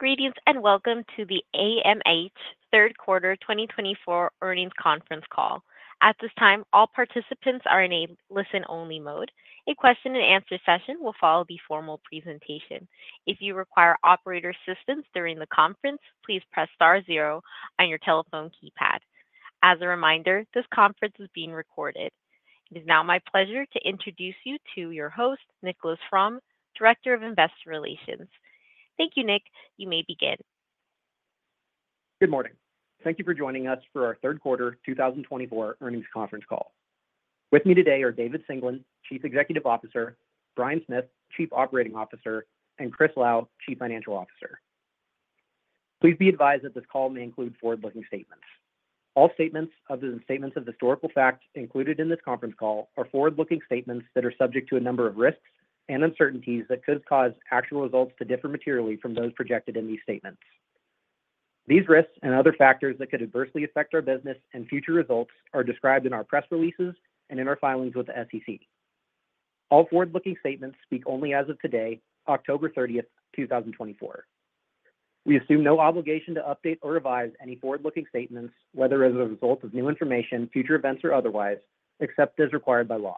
Greetings and welcome to the AMH 3rd Quarter 2024 Earnings Conference Call. At this time, all participants are in a listen-only mode. A question-and-answer session will follow the formal presentation. If you require operator assistance during the conference, please press star zero on your telephone keypad. As a reminder, this conference is being recorded. It is now my pleasure to introduce you to your host, Nicholas Fromm, Director of Investor Relations. Thank you, Nick. You may begin. Good morning. Thank you for joining us for our 3rd Quarter 2024 Earnings Conference Call. With me today are David Singelyn, Chief Executive Officer, Bryan Smith, Chief Operating Officer, and Chris Lau, Chief Financial Officer. Please be advised that this call may include forward-looking statements. All statements other than statements of historical fact included in this conference call are forward-looking statements that are subject to a number of risks and uncertainties that could cause actual results to differ materially from those projected in these statements. These risks and other factors that could adversely affect our business and future results are described in our press releases and in our filings with the SEC. All forward-looking statements speak only as of today, October 30, 2024. We assume no obligation to update or revise any forward-looking statements, whether as a result of new information, future events, or otherwise, except as required by law.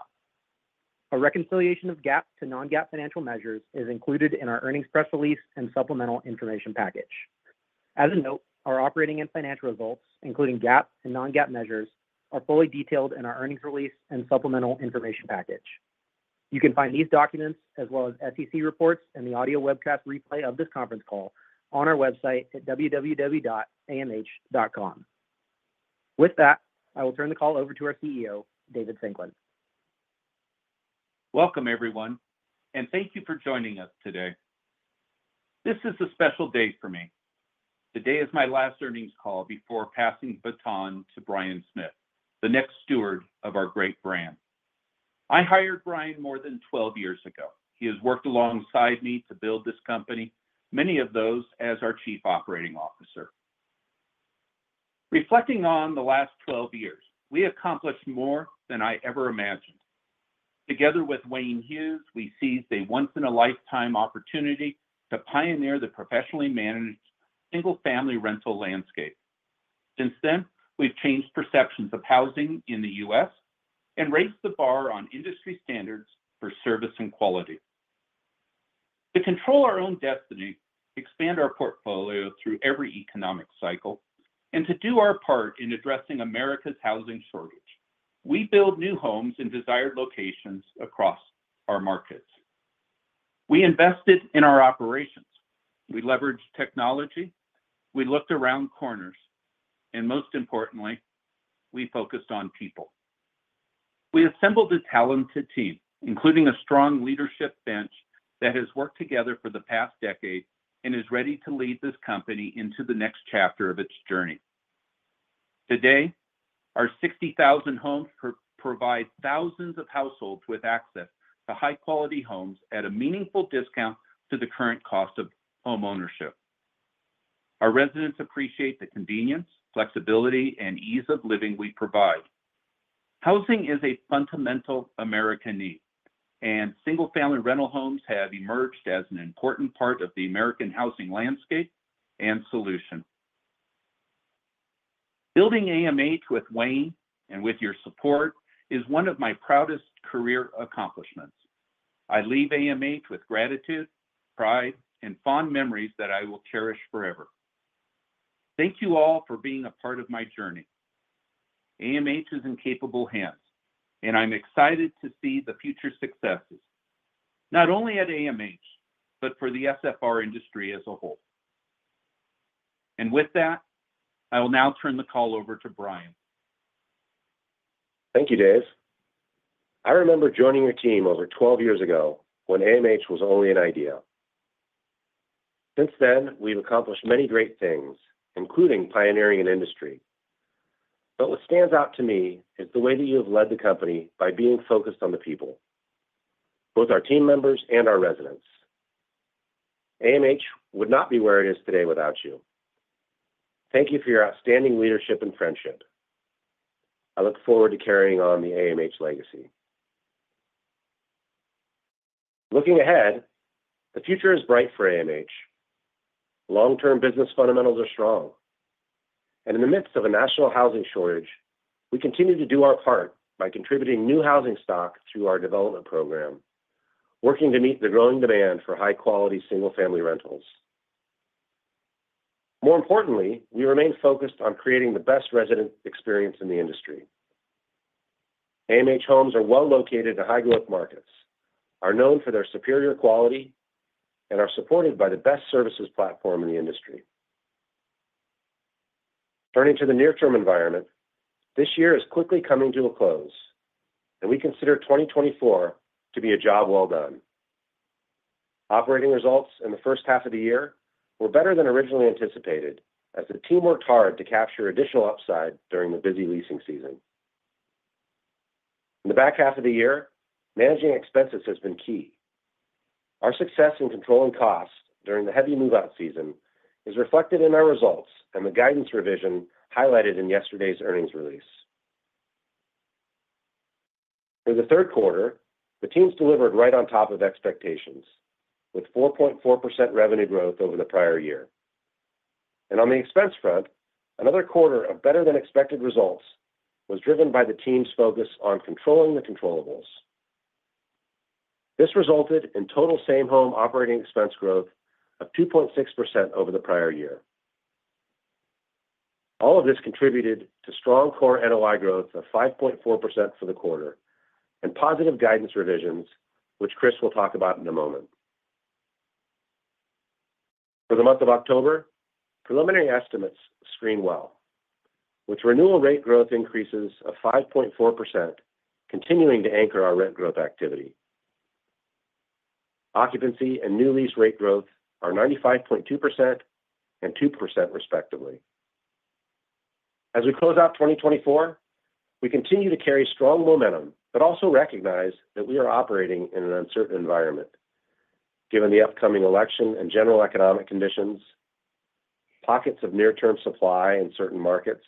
A reconciliation of GAAP to non-GAAP financial measures is included in our earnings press release and supplemental information package. As a note, our operating and financial results, including GAAP and non-GAAP measures, are fully detailed in our earnings release and supplemental information package. You can find these documents, as well as SEC reports and the audio webcast replay of this conference call, on our website at www.amh.com. With that, I will turn the call over to our CEO, David Singelyn. Welcome, everyone, and thank you for joining us today. This is a special day for me. Today is my last earnings call before passing baton to Bryan Smith, the next steward of our great brand. I hired Bryan more than 12 years ago. He has worked alongside me to build this company, many of those as our Chief Operating Officer. Reflecting on the last 12 years, we accomplished more than I ever imagined. Together with Wayne Hughes, we seized a once-in-a-lifetime opportunity to pioneer the professionally managed single-family rental landscape. Since then, we've changed perceptions of housing in the U.S. and raised the bar on industry standards for service and quality. To control our own destiny, expand our portfolio through every economic cycle, and to do our part in addressing America's housing shortage, we build new homes in desired locations across our markets. We invested in our operations. We leveraged technology. We looked around corners, and most importantly, we focused on people. We assembled a talented team, including a strong leadership bench that has worked together for the past decade and is ready to lead this company into the next chapter of its journey. Today, our 60,000 homes provide thousands of households with access to high-quality homes at a meaningful discount to the current cost of homeownership. Our residents appreciate the convenience, flexibility, and ease of living we provide. Housing is a fundamental American need, and single-family rental homes have emerged as an important part of the American housing landscape and solution. Building AMH with Wayne and with your support is one of my proudest career accomplishments. I leave AMH with gratitude, pride, and fond memories that I will cherish forever. Thank you all for being a part of my journey. AMH is in capable hands, and I'm excited to see the future successes, not only at AMH, but for the SFR industry as a whole. And with that, I will now turn the call over to Bryan. Thank you, Dave. I remember joining your team over 12 years ago when AMH was only an idea. Since then, we've accomplished many great things, including pioneering an industry, but what stands out to me is the way that you have led the company by being focused on the people, both our team members and our residents. AMH would not be where it is today without you. Thank you for your outstanding leadership and friendship. I look forward to carrying on the AMH legacy. Looking ahead, the future is bright for AMH. Long-term business fundamentals are strong, and in the midst of a national housing shortage, we continue to do our part by contributing new housing stock through our development program, working to meet the growing demand for high-quality single-family rentals. More importantly, we remain focused on creating the best resident experience in the industry. AMH homes are well located to high-growth markets, are known for their superior quality, and are supported by the best services platform in the industry. Turning to the near-term environment, this year is quickly coming to a close, and we consider 2024 to be a job well done. Operating results in the first half of the year were better than originally anticipated, as the team worked hard to capture additional upside during the busy leasing season. In the back half of the year, managing expenses has been key. Our success in controlling costs during the heavy move-out season is reflected in our results and the guidance revision highlighted in yesterday's earnings release. For the 3rd Quarter, the team's delivered right on top of expectations, with 4.4% revenue growth over the prior year. On the expense front, another quarter of better-than-expected results was driven by the team's focus on controlling the controllables. This resulted in total same-home operating expense growth of 2.6% over the prior year. All of this contributed to strong core NOI growth of 5.4% for the quarter and positive guidance revisions, which Chris will talk about in a moment. For the month of October, preliminary estimates screen well, with renewal rate growth increases of 5.4% continuing to anchor our rent growth activity. Occupancy and new lease rate growth are 95.2% and 2%, respectively. As we close out 2024, we continue to carry strong momentum, but also recognize that we are operating in an uncertain environment, given the upcoming election and general economic conditions, pockets of near-term supply in certain markets,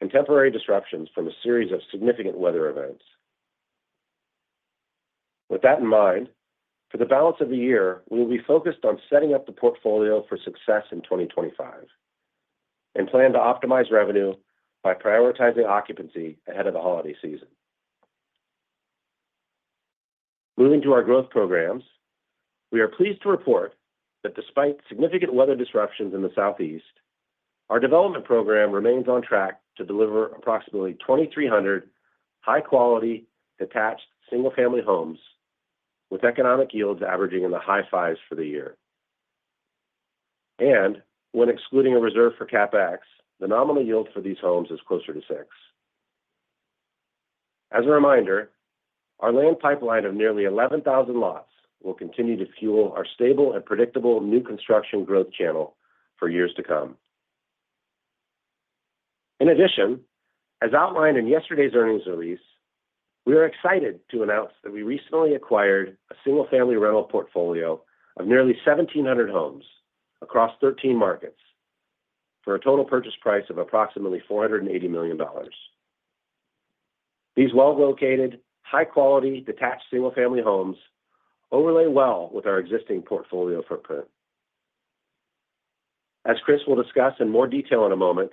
and temporary disruptions from a series of significant weather events. With that in mind, for the balance of the year, we will be focused on setting up the portfolio for success in 2025 and plan to optimize revenue by prioritizing occupancy ahead of the holiday season. Moving to our growth programs, we are pleased to report that despite significant weather disruptions in the Southeast, our development program remains on track to deliver approximately 2,300 high-quality attached single-family homes, with economic yields averaging in the high 5s for the year, and when excluding a reserve for CapEx, the nominal yield for these homes is closer to 6%. As a reminder, our land pipeline of nearly 11,000 lots will continue to fuel our stable and predictable new construction growth channel for years to come. In addition, as outlined in yesterday's earnings release, we are excited to announce that we recently acquired a single-family rental portfolio of nearly 1,700 homes across 13 markets for a total purchase price of approximately $480 million. These well-located, high-quality detached single-family homes overlay well with our existing portfolio footprint. As Chris will discuss in more detail in a moment,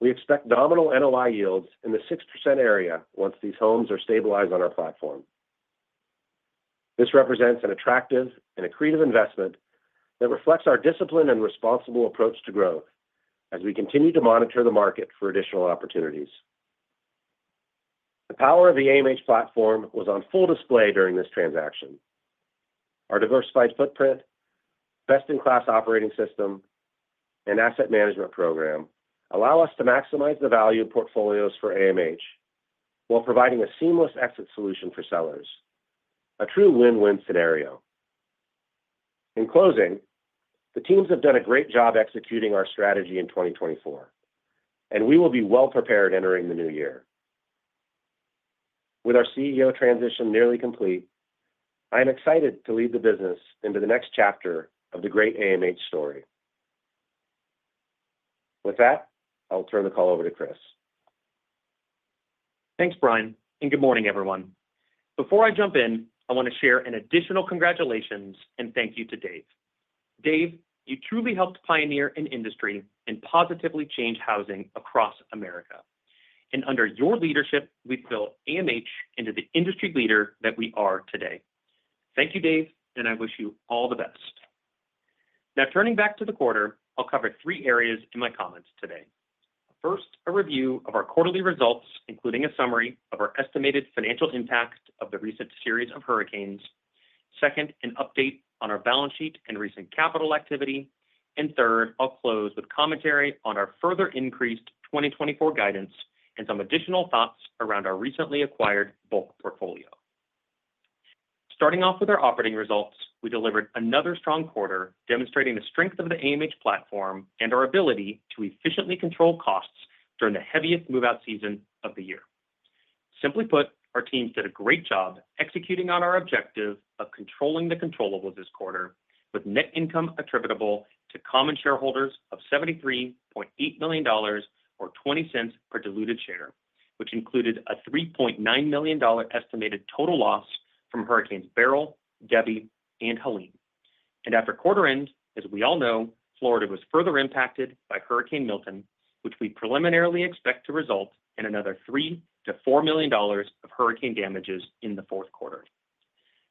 we expect nominal NOI yields in the 6% area once these homes are stabilized on our platform. This represents an attractive and accretive investment that reflects our disciplined and responsible approach to growth as we continue to monitor the market for additional opportunities. The power of the AMH platform was on full display during this transaction. Our diversified footprint, best-in-class operating system, and asset management program allow us to maximize the value of portfolios for AMH while providing a seamless exit solution for sellers, a true win-win scenario. In closing, the teams have done a great job executing our strategy in 2024, and we will be well-prepared entering the new year. With our CEO transition nearly complete, I am excited to lead the business into the next chapter of the great AMH story. With that, I'll turn the call over to Chris. Thanks, Bryan, and good morning, everyone. Before I jump in, I want to share an additional congratulations and thank you to Dave. Dave, you truly helped pioneer an industry and positively change housing across America. And under your leadership, we've built AMH into the industry leader that we are today. Thank you, Dave, and I wish you all the best. Now, turning back to the quarter, I'll cover three areas in my comments today. First, a review of our quarterly results, including a summary of our estimated financial impact of the recent series of hurricanes. Second, an update on our balance sheet and recent capital activity. And third, I'll close with commentary on our further increased 2024 guidance and some additional thoughts around our recently acquired bulk portfolio. Starting off with our operating results, we delivered another strong quarter, demonstrating the strength of the AMH platform and our ability to efficiently control costs during the heaviest move-out season of the year. Simply put, our teams did a great job executing on our objective of controlling the controllables this quarter, with net income attributable to common shareholders of $73.8 million or $0.20 per diluted share, which included a $3.9 million estimated total loss from Hurricanes Beryl, Debby, and Helene, and after quarter-end, as we all know, Florida was further impacted by Hurricane Milton, which we preliminarily expect to result in another $3-$4 million of hurricane damages in the 4th Quarter.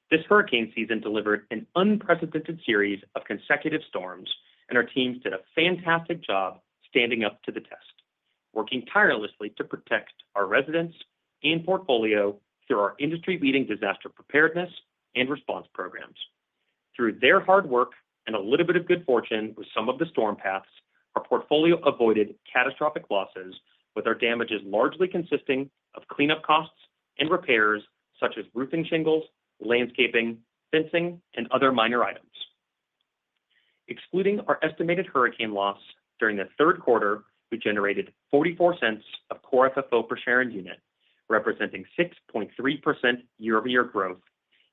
This hurricane season delivered an unprecedented series of consecutive storms, and our teams did a fantastic job standing up to the test, working tirelessly to protect our residents and portfolio through our industry-leading disaster preparedness and response programs. Through their hard work and a little bit of good fortune with some of the storm paths, our portfolio avoided catastrophic losses, with our damages largely consisting of cleanup costs and repairs such as roofing shingles, landscaping, fencing, and other minor items. Excluding our estimated hurricane loss during the 3rd Quarter, we generated $0.44 of Core FFO per share and unit, representing 6.3% year-over-year growth,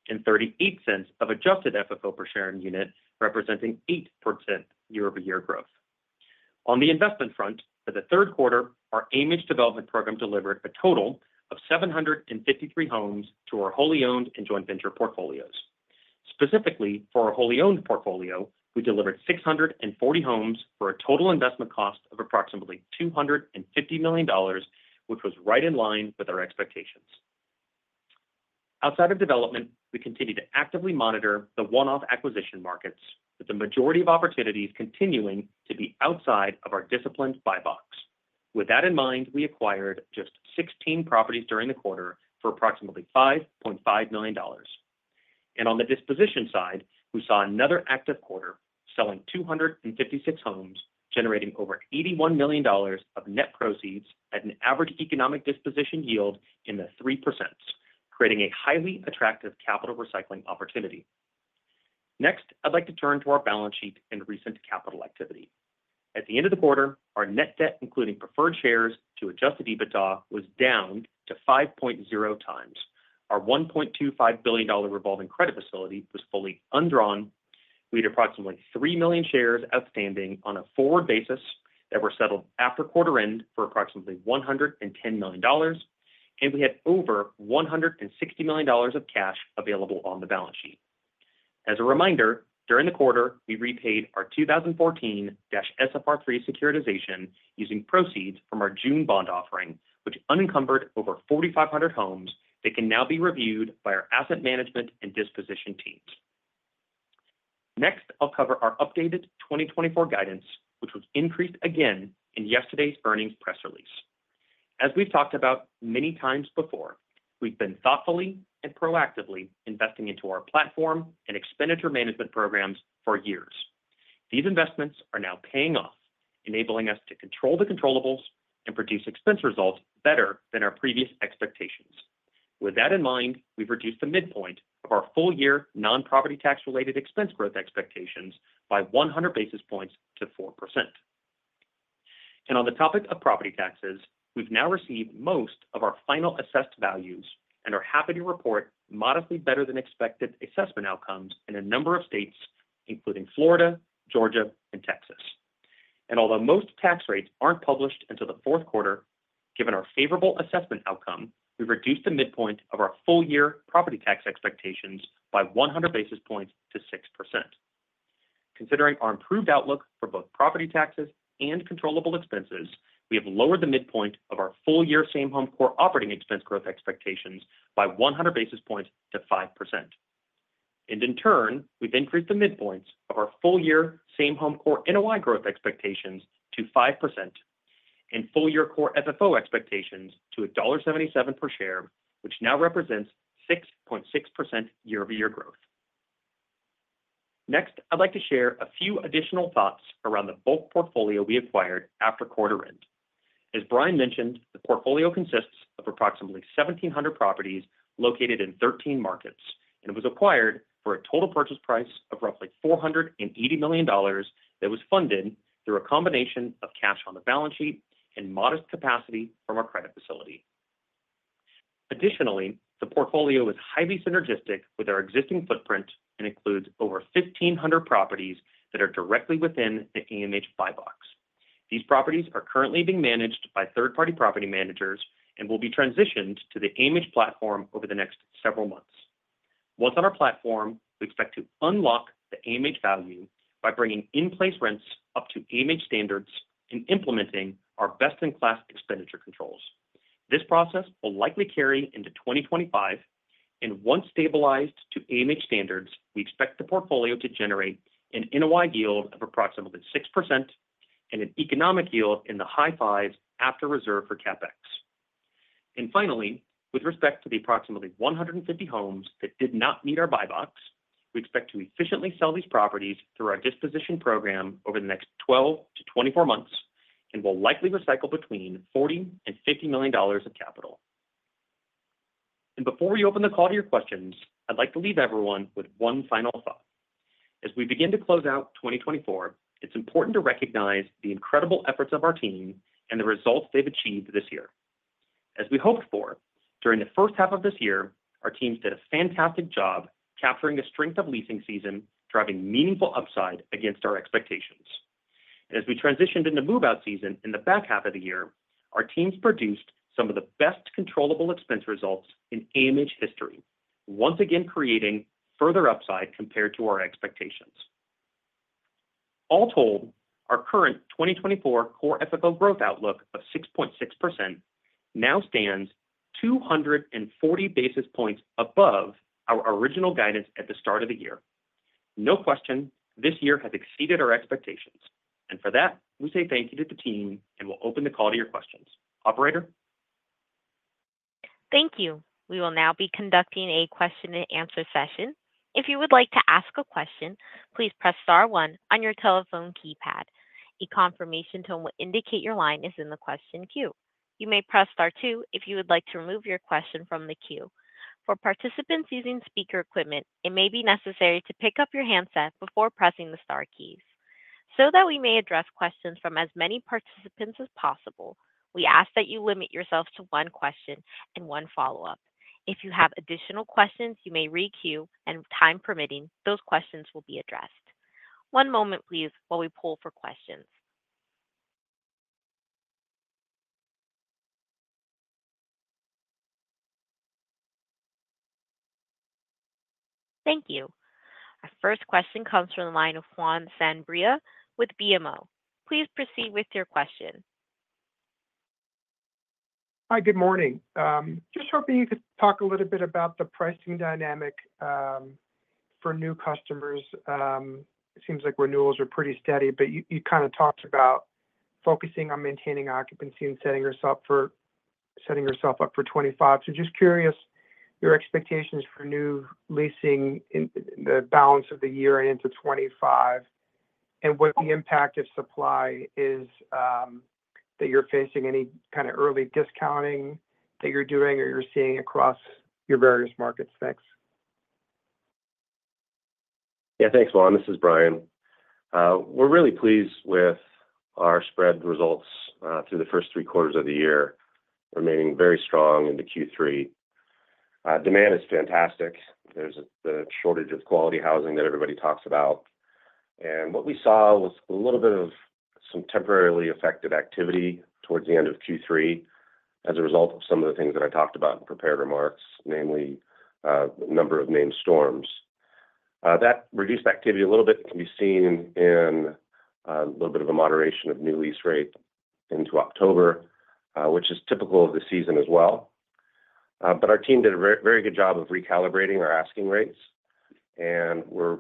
and $0.38 of Adjusted FFO per share and unit, representing 8% year-over-year growth. On the investment front, for the 3rd Quarter, our AMH Development Program delivered a total of 753 homes to our wholly-owned and joint venture portfolios. Specifically, for our wholly-owned portfolio, we delivered 640 homes for a total investment cost of approximately $250 million, which was right in line with our expectations. Outside of development, we continue to actively monitor the one-off acquisition markets, with the majority of opportunities continuing to be outside of our disciplined buy box. With that in mind, we acquired just 16 properties during the quarter for approximately $5.5 million. On the disposition side, we saw another active quarter, selling 256 homes, generating over $81 million of net proceeds at an average economic disposition yield in the 3%, creating a highly attractive capital recycling opportunity. Next, I'd like to turn to our balance sheet and recent capital activity. At the end of the quarter, our net debt, including preferred shares to adjusted EBITDA, was down to 5.0 times. Our $1.25 billion revolving credit facility was fully undrawn. We had approximately three million shares outstanding on a forward basis that were settled after quarter-end for approximately $110 million, and we had over $160 million of cash available on the balance sheet. As a reminder, during the quarter, we repaid our 2014-SFR3 securitization using proceeds from our June bond offering, which unencumbered over 4,500 homes that can now be reviewed by our asset management and disposition teams. Next, I'll cover our updated 2024 guidance, which was increased again in yesterday's earnings press release. As we've talked about many times before, we've been thoughtfully and proactively investing into our platform and expenditure management programs for years. These investments are now paying off, enabling us to control the controllables and produce expense results better than our previous expectations. With that in mind, we've reduced the midpoint of our full-year non-property tax-related expense growth expectations by 100 basis points to 4%. On the topic of property taxes, we've now received most of our final assessed values and are happy to report modestly better than expected assessment outcomes in a number of states, including Florida, Georgia, and Texas. And although most tax rates aren't published until the 4th Quarter, given our favorable assessment outcome, we've reduced the midpoint of our full-year property tax expectations by 100 basis points to 6%. Considering our improved outlook for both property taxes and controllable expenses, we have lowered the midpoint of our full-year same-home core operating expense growth expectations by 100 basis points to 5%. And in turn, we've increased the midpoints of our full-year same-home core NOI growth expectations to 5% and full-year core FFO expectations to $1.77 per share, which now represents 6.6% year-over-year growth. Next, I'd like to share a few additional thoughts around the bulk portfolio we acquired after quarter-end. As Bryan mentioned, the portfolio consists of approximately 1,700 properties located in 13 markets, and it was acquired for a total purchase price of roughly $480 million that was funded through a combination of cash on the balance sheet and modest capacity from our credit facility. Additionally, the portfolio is highly synergistic with our existing footprint and includes over 1,500 properties that are directly within the AMH buy box. These properties are currently being managed by third-party property managers and will be transitioned to the AMH platform over the next several months. Once on our platform, we expect to unlock the AMH value by bringing in-place rents up to AMH standards and implementing our best-in-class expenditure controls. This process will likely carry into 2025, and once stabilized to AMH standards, we expect the portfolio to generate an NOI yield of approximately 6% and an economic yield in the high fives after reserve for CapEx. And finally, with respect to the approximately 150 homes that did not meet our buy box, we expect to efficiently sell these properties through our disposition program over the next 12 to 24 months and will likely recycle between $40 and $50 million of capital. And before we open the call to your questions, I'd like to leave everyone with one final thought. As we begin to close out 2024, it's important to recognize the incredible efforts of our team and the results they've achieved this year. As we hoped for, during the first half of this year, our teams did a fantastic job capturing the strength of leasing season, driving meaningful upside against our expectations. And as we transitioned into move-out season in the back half of the year, our teams produced some of the best controllable expense results in AMH history, once again creating further upside compared to our expectations. All told, our current 2024 Core FFO growth outlook of 6.6% now stands 240 basis points above our original guidance at the start of the year. No question, this year has exceeded our expectations. And for that, we say thank you to the team and will open the call to your questions. Operator? Thank you. We will now be conducting a question-and-answer session. If you would like to ask a question, please press star one on your telephone keypad. A confirmation tone will indicate your line is in the question queue. You may press star two if you would like to remove your question from the queue. For participants using speaker equipment, it may be necessary to pick up your handset before pressing the star keys. So that we may address questions from as many participants as possible, we ask that you limit yourself to one question and one follow-up. If you have additional questions, you may re-queue, and time permitting, those questions will be addressed. One moment, please, while we pull for questions. Thank you. Our first question comes from the line of Juan Sanabria with BMO. Please proceed with your question. Hi, good morning. Just hoping you could talk a little bit about the pricing dynamic for new customers. It seems like renewals are pretty steady, but you kind of talked about focusing on maintaining occupancy and setting yourself up for 2025. So just curious, your expectations for new leasing in the balance of the year and into 2025, and what the impact of supply is that you're facing, any kind of early discounting that you're doing or you're seeing across your various markets? Thanks. Yeah, thanks, Juan. This is Bryan. We're really pleased with our spread results through the first three quarters of the year, remaining very strong into Q3. Demand is fantastic. There's the shortage of quality housing that everybody talks about. And what we saw was a little bit of some temporarily affected activity towards the end of Q3 as a result of some of the things that I talked about in prepared remarks, namely a number of named storms. That reduced activity a little bit, which can be seen in a little bit of a moderation of new lease rate into October, which is typical of the season as well. But our team did a very good job of recalibrating our asking rates, and we're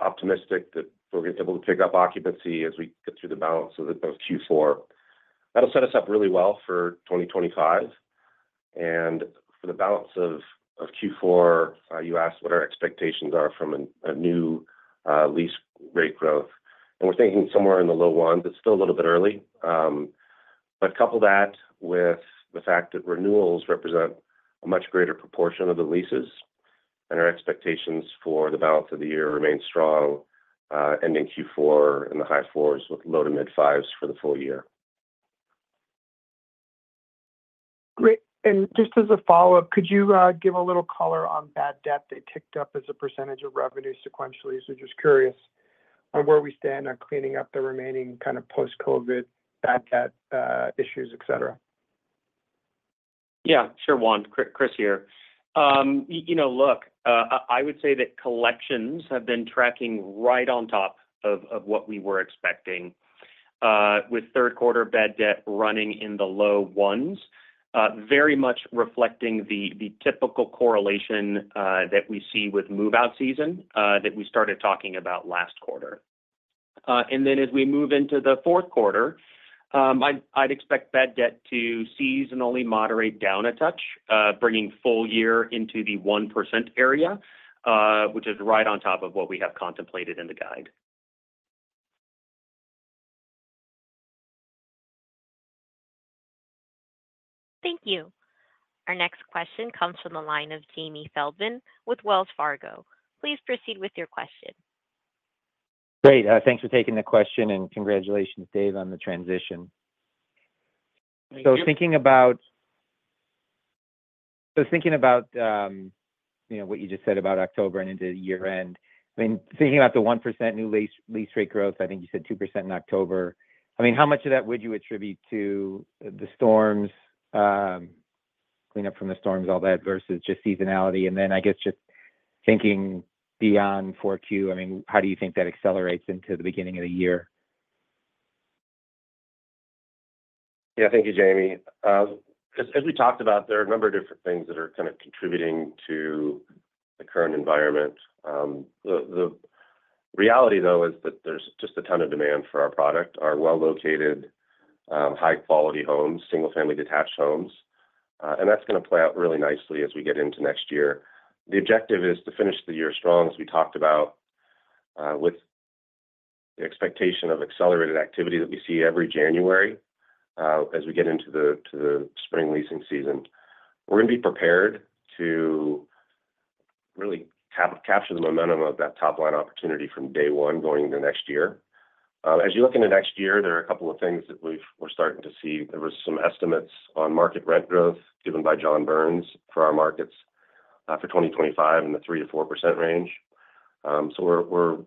optimistic that we're able to pick up occupancy as we get through the balance of Q4. That'll set us up really well for 2025. And for the balance of Q4, you asked what our expectations are from a new lease rate growth, and we're thinking somewhere in the low ones. It's still a little bit early. But couple that with the fact that renewals represent a much greater proportion of the leases, and our expectations for the balance of the year remain strong ending Q4 in the high fours with low to mid fives for the full year. Great. And just as a follow-up, could you give a little color on bad debt that ticked up as a percentage of revenue sequentially? So just curious on where we stand on cleaning up the remaining kind of post-COVID bad debt issues, etc. Yeah, sure, Juan. Chris here. Look, I would say that collections have been tracking right on top of what we were expecting, with 3rd Quarter bad debt running in the low ones, very much reflecting the typical correlation that we see with move-out season that we started talking about last quarter, and then as we move into the 4th Quarter, I'd expect bad debt to seasonally moderate down a touch, bringing full year into the 1% area, which is right on top of what we have contemplated in the guide. Thank you. Our next question comes from the line of Jamie Feldman with Wells Fargo. Please proceed with your question. Great. Thanks for taking the question, and congratulations, Dave, on the transition. So thinking about what you just said about October and into the year-end, I mean, thinking about the 1% new lease rate growth, I think you said 2% in October. I mean, how much of that would you attribute to the storms, cleanup from the storms, all that, versus just seasonality? And then I guess just thinking beyond 4Q, I mean, how do you think that accelerates into the beginning of the year? Yeah, thank you, Jamie. As we talked about, there are a number of different things that are kind of contributing to the current environment. The reality, though, is that there's just a ton of demand for our product, our well-located, high-quality homes, single-family detached homes. And that's going to play out really nicely as we get into next year. The objective is to finish the year strong, as we talked about, with the expectation of accelerated activity that we see every January as we get into the spring leasing season. We're going to be prepared to really capture the momentum of that top-line opportunity from day one going into next year. As you look into next year, there are a couple of things that we're starting to see. There were some estimates on market rent growth given by John Burns for our markets for 2025 in the 3%-4% range. So we're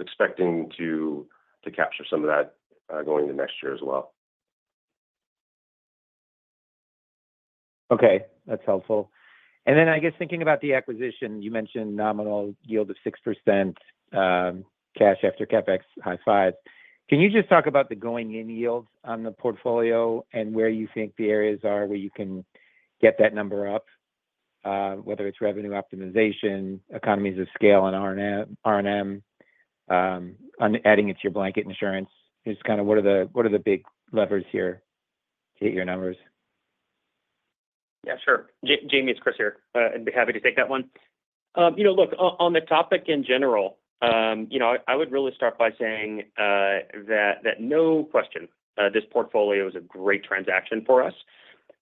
expecting to capture some of that going into next year as well. Okay. That's helpful. And then I guess thinking about the acquisition, you mentioned nominal yield of 6%, cash after CapEx, high fives. Can you just talk about the going-in yields on the portfolio and where you think the areas are where you can get that number up, whether it's revenue optimization, economies of scale on R&M, adding it to your blanket insurance? Just kind of what are the big levers here to hit your numbers? Yeah, sure. This is Chris here. I'd be happy to take that one. Look, on the topic in general, I would really start by saying that no question, this portfolio is a great transaction for us.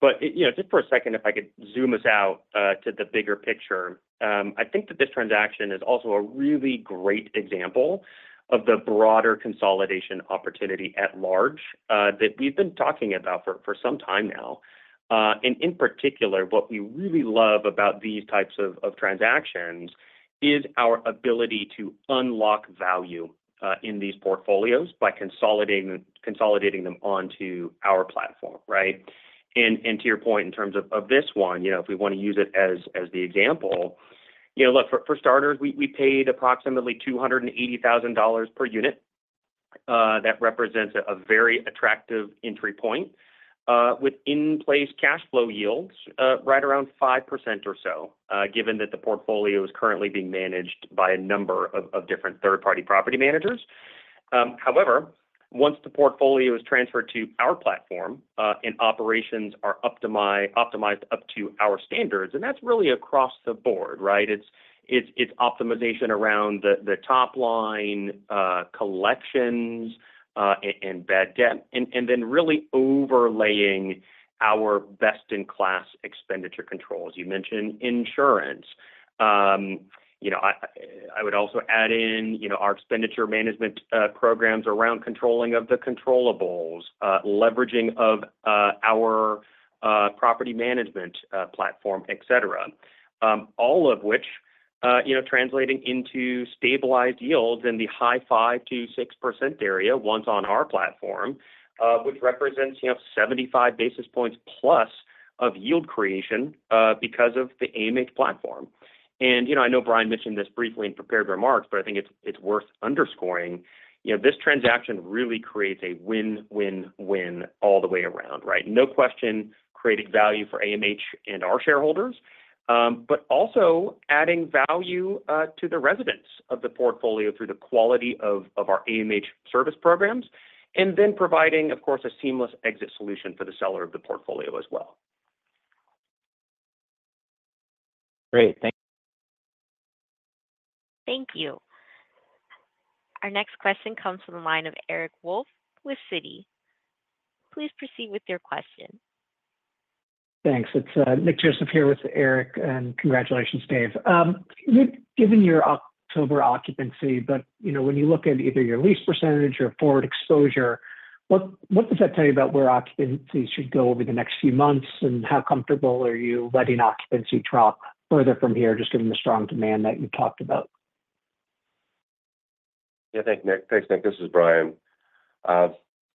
But just for a second, if I could zoom us out to the bigger picture, I think that this transaction is also a really great example of the broader consolidation opportunity at large that we've been talking about for some time now. And in particular, what we really love about these types of transactions is our ability to unlock value in these portfolios by consolidating them onto our platform, right? And to your point, in terms of this one, if we want to use it as the example, look, for starters, we paid approximately $280,000 per unit. That represents a very attractive entry point with in-place cash flow yields right around 5% or so, given that the portfolio is currently being managed by a number of different third-party property managers. However, once the portfolio is transferred to our platform and operations are optimized up to our standards, and that's really across the board, right? It's optimization around the top-line collections and bad debt, and then really overlaying our best-in-class expenditure controls. You mentioned insurance. I would also add in our expenditure management programs around controlling of the controllables, leveraging of our property management platform, etc., all of which translating into stabilized yields in the high 5%-6% area once on our platform, which represents 75 basis points plus of yield creation because of the AMH platform. And I know Bryan mentioned this briefly in prepared remarks, but I think it's worth underscoring. This transaction really creates a win-win-win all the way around, right? No question, created value for AMH and our shareholders, but also adding value to the residents of the portfolio through the quality of our AMH service programs, and then providing, of course, a seamless exit solution for the seller of the portfolio as well. Great. Thank you. Thank you. Our next question comes from the line of Eric Wolfe with Citi. Please proceed with your question. Thanks. It's Nick Joseph here with Eric, and congratulations, Dave. Given your October occupancy, but when you look at either your lease percentage or forward exposure, what does that tell you about where occupancy should go over the next few months, and how comfortable are you letting occupancy drop further from here, just given the strong demand that you talked about? Yeah, thanks, Nick. Thanks, Nick. This is Bryan.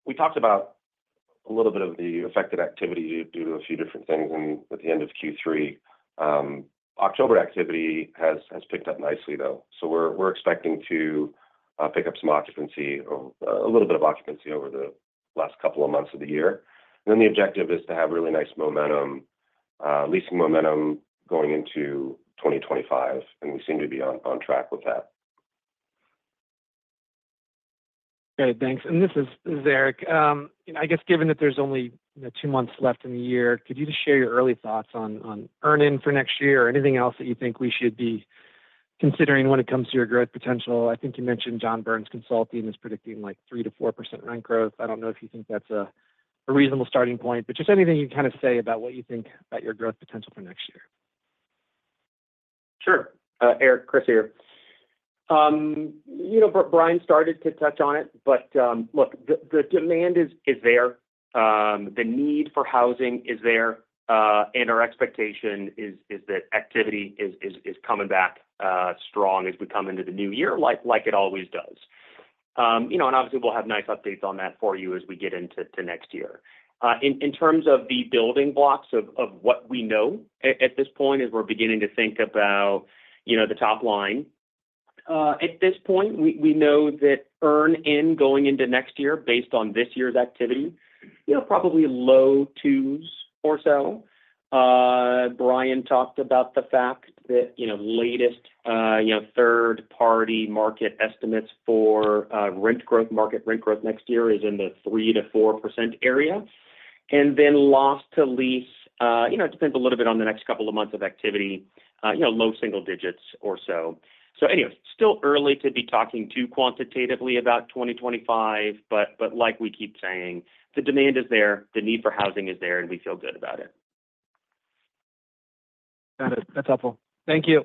We talked about a little bit of the affected activity due to a few different things at the end of Q3. October activity has picked up nicely, though. So we're expecting to pick up some occupancy or a little bit of occupancy over the last couple of months of the year. And then the objective is to have really nice momentum, leasing momentum going into 2025, and we seem to be on track with that. Great. Thanks. And this is Eric. I guess given that there's only two months left in the year, could you just share your early thoughts on earnings for next year or anything else that you think we should be considering when it comes to your growth potential? I think you mentioned John Burns is predicting like 3%-4% rent growth. I don't know if you think that's a reasonable starting point, but just anything you can kind of say about what you think about your growth potential for next year. Sure. Chris here. Bryan started to touch on it, but look, the demand is there. The need for housing is there, and our expectation is that activity is coming back strong as we come into the new year, like it always does, and obviously, we'll have nice updates on that for you as we get into next year. In terms of the building blocks of what we know at this point, as we're beginning to think about the top line, at this point, we know that earnings going into next year based on this year's activity, probably low twos or so. Bryan talked about the fact that latest third-party market estimates for rent growth, market rent growth next year is in the 3%-4% area, and then loss to lease, it depends a little bit on the next couple of months of activity, low single digits or so. So anyway, it is still early to be talking to quantitatively about 2025, but like we keep saying, the demand is there, the need for housing is there, and we feel good about it. Got it. That's helpful. Thank you.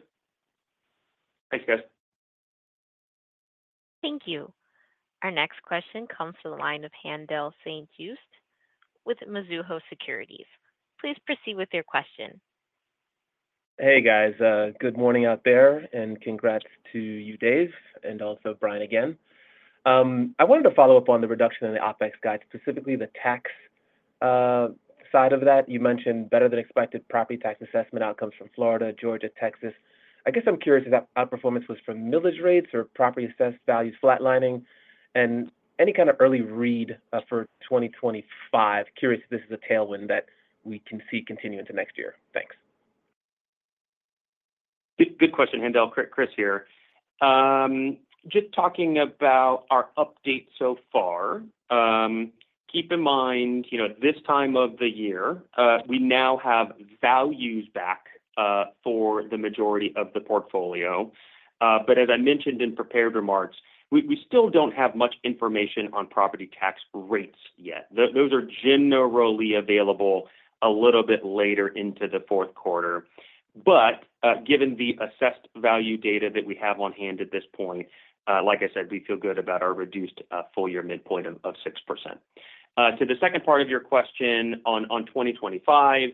Thanks, guys. Thank you. Our next question comes from the line of Haendel St. Juste with Mizuho Securities. Please proceed with your question. Hey, guys. Good morning out there, and congrats to you, Dave, and also Bryan again. I wanted to follow up on the reduction in the OpEx guide, specifically the tax side of that. You mentioned better than expected property tax assessment outcomes from Florida, Georgia, Texas. I guess I'm curious if that outperformance was from millage rates or property assessed values flatlining, and any kind of early read for 2025? Curious if this is a tailwind that we can see continuing to next year. Thanks. Good question, Chris here. Just talking about our update so far, keep in mind this time of the year, we now have values back for the majority of the portfolio. But as I mentioned in prepared remarks, we still don't have much information on property tax rates yet. Those are generally available a little bit later into the 4th Quarter. But given the assessed value data that we have on hand at this point, like I said, we feel good about our reduced full year midpoint of 6%. To the second part of your question on 2025,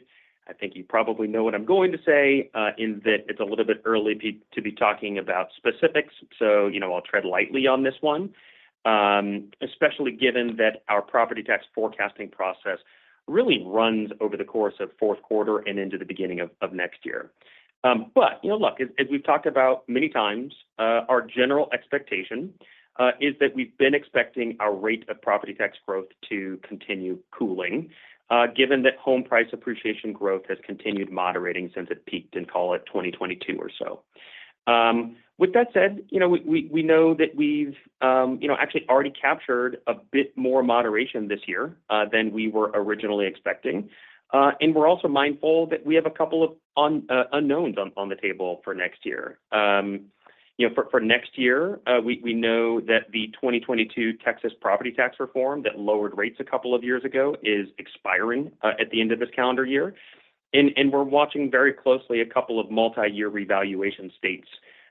I think you probably know what I'm going to say in that it's a little bit early to be talking about specifics. So I'll tread lightly on this one, especially given that our property tax forecasting process really runs over the course of 4th Quarter and into the beginning of next year. But look, as we've talked about many times, our general expectation is that we've been expecting our rate of property tax growth to continue cooling, given that home price appreciation growth has continued moderating since it peaked in call it 2022 or so. With that said, we know that we've actually already captured a bit more moderation this year than we were originally expecting. And we're also mindful that we have a couple of unknowns on the table for next year. For next year, we know that the 2022 Texas property tax reform that lowered rates a couple of years ago is expiring at the end of this calendar year. And we're watching very closely a couple of multi-year revaluation states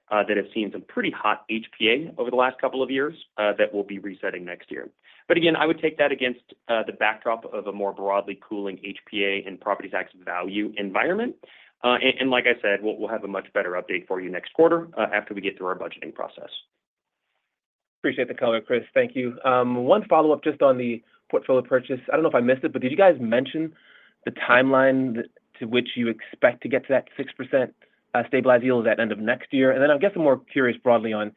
that have seen some pretty hot HPA over the last couple of years that will be resetting next year. But again, I would take that against the backdrop of a more broadly cooling HPA and property tax value environment. And like I said, we'll have a much better update for you next quarter after we get through our budgeting process. Appreciate the color, Chris. Thank you. One follow-up just on the portfolio purchase. I don't know if I missed it, but did you guys mention the timeline to which you expect to get to that 6% stabilized yield at the end of next year? And then I guess I'm more curious broadly on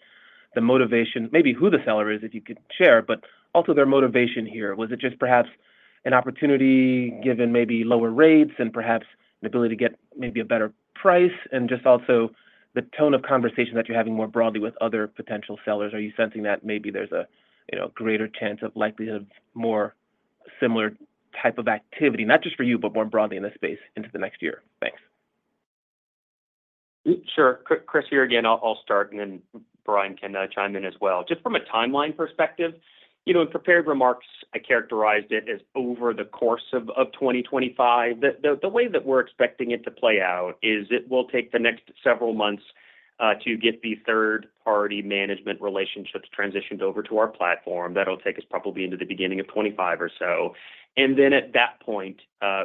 the motivation, maybe who the seller is, if you could share, but also their motivation here. Was it just perhaps an opportunity given maybe lower rates and perhaps an ability to get maybe a better price? And just also the tone of conversation that you're having more broadly with other potential sellers. Are you sensing that maybe there's a greater chance of likelihood of more similar type of activity, not just for you, but more broadly in this space into the next year? Thanks. Sure. Chris here again. I'll start, and then Bryan can chime in as well. Just from a timeline perspective, in prepared remarks, I characterized it as over the course of 2025. The way that we're expecting it to play out is it will take the next several months to get the third-party management relationships transitioned over to our platform. That'll take us probably into the beginning of 2025 or so. And then at that point,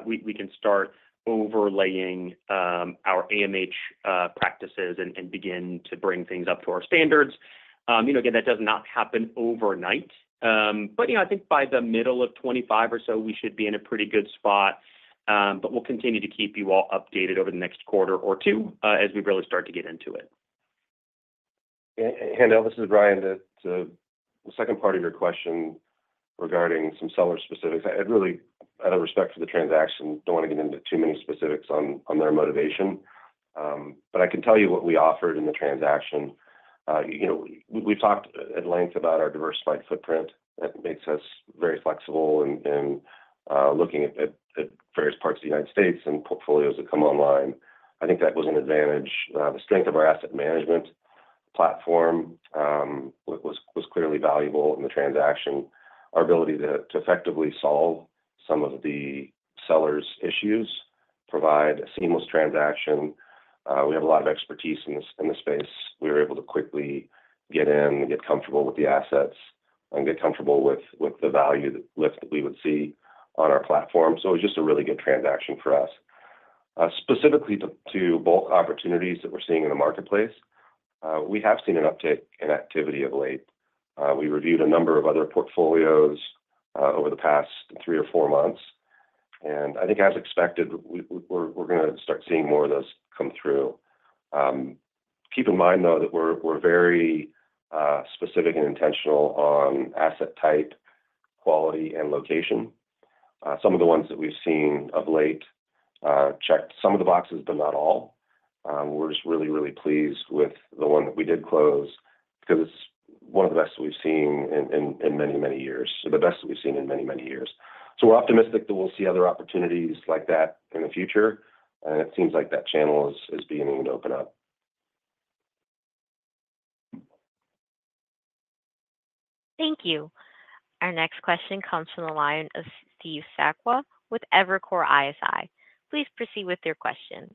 we can start overlaying our AMH practices and begin to bring things up to our standards. Again, that does not happen overnight. But I think by the middle of 2025 or so, we should be in a pretty good spot. But we'll continue to keep you all updated over the next quarter or two as we really start to get into it. Haendel, this is Bryan. The second part of your question regarding some seller specifics, I really, out of respect for the transaction, don't want to get into too many specifics on their motivation, but I can tell you what we offered in the transaction. We've talked at length about our diversified footprint. That makes us very flexible in looking at various parts of the United States and portfolios that come online. I think that was an advantage. The strength of our asset management platform was clearly valuable in the transaction. Our ability to effectively solve some of the seller's issues, provide a seamless transaction. We have a lot of expertise in the space. We were able to quickly get in and get comfortable with the assets and get comfortable with the value lift that we would see on our platform, so it was just a really good transaction for us. Specifically to bulk opportunities that we're seeing in the marketplace, we have seen an uptick in activity of late. We reviewed a number of other portfolios over the past three or four months. And I think, as expected, we're going to start seeing more of those come through. Keep in mind, though, that we're very specific and intentional on asset type, quality, and location. Some of the ones that we've seen of late checked some of the boxes, but not all. We're just really, really pleased with the one that we did close because it's one of the best we've seen in many, many years. The best we've seen in many, many years. So we're optimistic that we'll see other opportunities like that in the future. And it seems like that channel is beginning to open up. Thank you. Our next question comes from the line of Steve Sakwa with Evercore ISI. Please proceed with your question.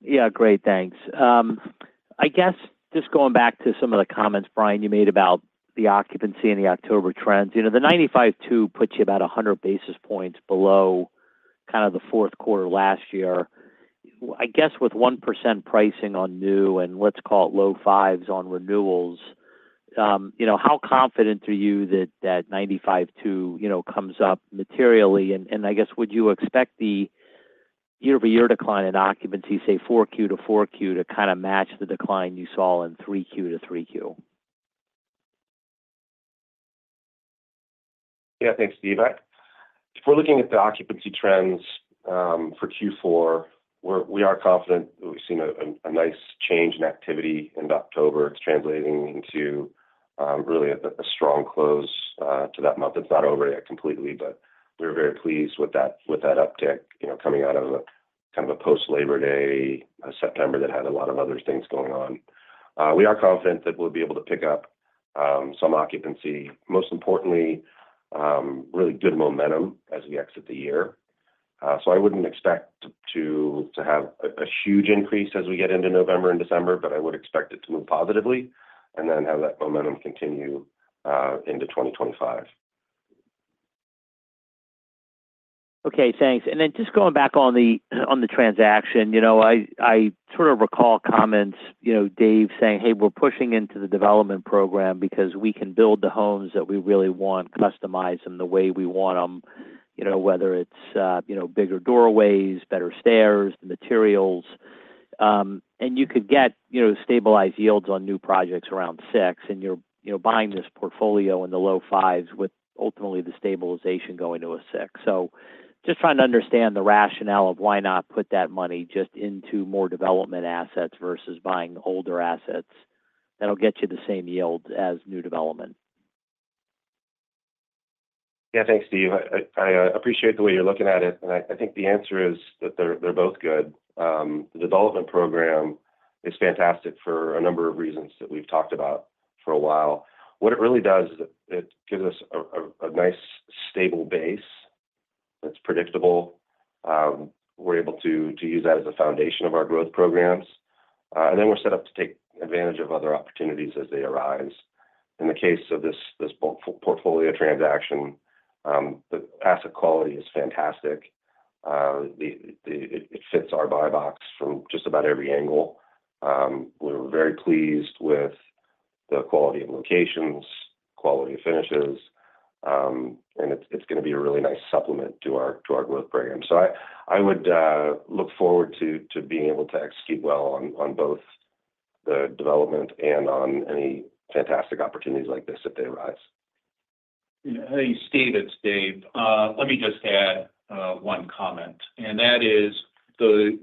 Yeah, great. Thanks. I guess just going back to some of the comments, Bryan, you made about the occupancy and the October trends, the 95.2 puts you about 100 basis points below kind of the 4th Quarter last year. I guess with 1% pricing on new and let's call it low fives on renewals, how confident are you that that 95.2 comes up materially? And I guess, would you expect the year-over-year decline in occupancy, say, 4Q to 4Q, to kind of match the decline you saw in 3Q to 3Q? Yeah, thanks, Steve. If we're looking at the occupancy trends for Q4, we are confident that we've seen a nice change in activity in October. It's translating into really a strong close to that month. It's not over yet completely, but we're very pleased with that uptick coming out of kind of a post-Labor Day September that had a lot of other things going on. We are confident that we'll be able to pick up some occupancy, most importantly, really good momentum as we exit the year. So I wouldn't expect to have a huge increase as we get into November and December, but I would expect it to move positively and then have that momentum continue into 2025. Okay. Thanks. And then just going back on the transaction, I sort of recall comments, Dave, saying, "Hey, we're pushing into the development program because we can build the homes that we really want, customize them the way we want them, whether it's bigger doorways, better stairs, the materials." And you could get stabilized yields on new projects around 6%, and you're buying this portfolio in the low 5s% with ultimately the stabilization going to a 6%. So just trying to understand the rationale of why not put that money just into more development assets versus buying older assets that'll get you the same yields as new development. Yeah, thanks, Steve. I appreciate the way you're looking at it. And I think the answer is that they're both good. The development program is fantastic for a number of reasons that we've talked about for a while. What it really does is it gives us a nice stable base that's predictable. We're able to use that as a foundation of our growth programs. And then we're set up to take advantage of other opportunities as they arise. In the case of this portfolio transaction, the asset quality is fantastic. It fits our buy box from just about every angle. We're very pleased with the quality of locations, quality of finishes, and it's going to be a really nice supplement to our growth program. So I would look forward to being able to execute well on both the development and on any fantastic opportunities like this if they arise. Hey, Steve, it's Dave. Let me just add one comment. And that is the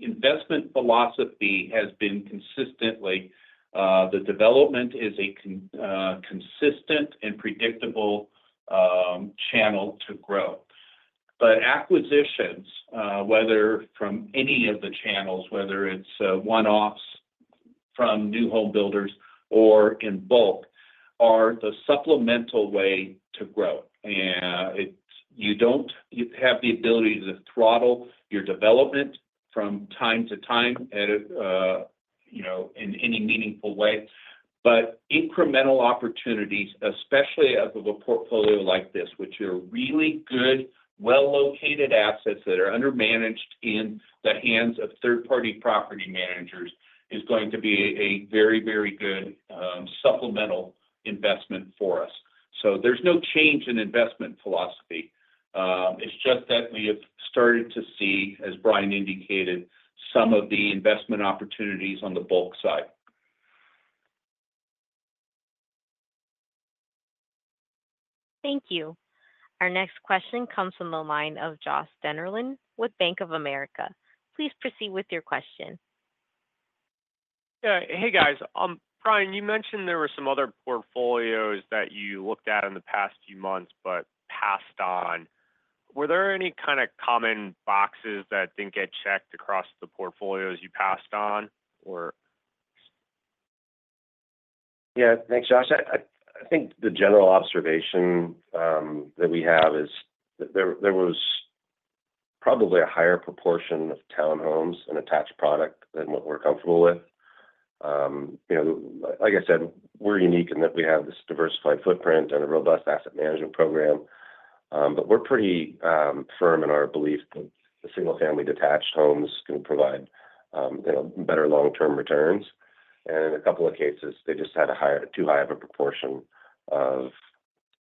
investment philosophy has been consistently the development is a consistent and predictable channel to grow. But acquisitions, whether from any of the channels, whether it's one-offs from new home builders or in bulk, are the supplemental way to grow. You don't have the ability to throttle your development from time to time in any meaningful way. But incremental opportunities, especially as of a portfolio like this, which are really good, well-located assets that are under managed in the hands of third-party property managers, is going to be a very, very good supplemental investment for us. So there's no change in investment philosophy. It's just that we have started to see, as Bryan indicated, some of the investment opportunities on the bulk side. Thank you. Our next question comes from the line of Josh Dennerlein with Bank of America. Please proceed with your question. Hey, guys. Bryan, you mentioned there were some other portfolios that you looked at in the past few months, but passed on. Were there any kind of common boxes that didn't get checked across the portfolios you passed on, or? Yeah. Thanks, Josh. I think the general observation that we have is there was probably a higher proportion of townhomes and attached product than what we're comfortable with. Like I said, we're unique in that we have this diversified footprint and a robust asset management program. But we're pretty firm in our belief that the single-family detached homes can provide better long-term returns. And in a couple of cases, they just had too high of a proportion of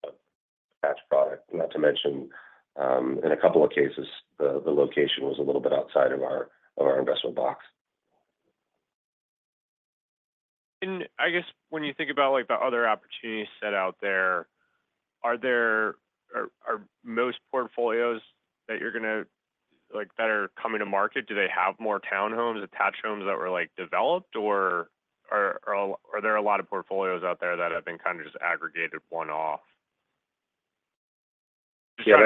attached product. Not to mention, in a couple of cases, the location was a little bit outside of our buy box. I guess when you think about the other opportunities set out there, are most portfolios that you're going to that are coming to market, do they have more townhomes, attached homes that were developed, or are there a lot of portfolios out there that have been kind of just aggregated one-off? Yeah.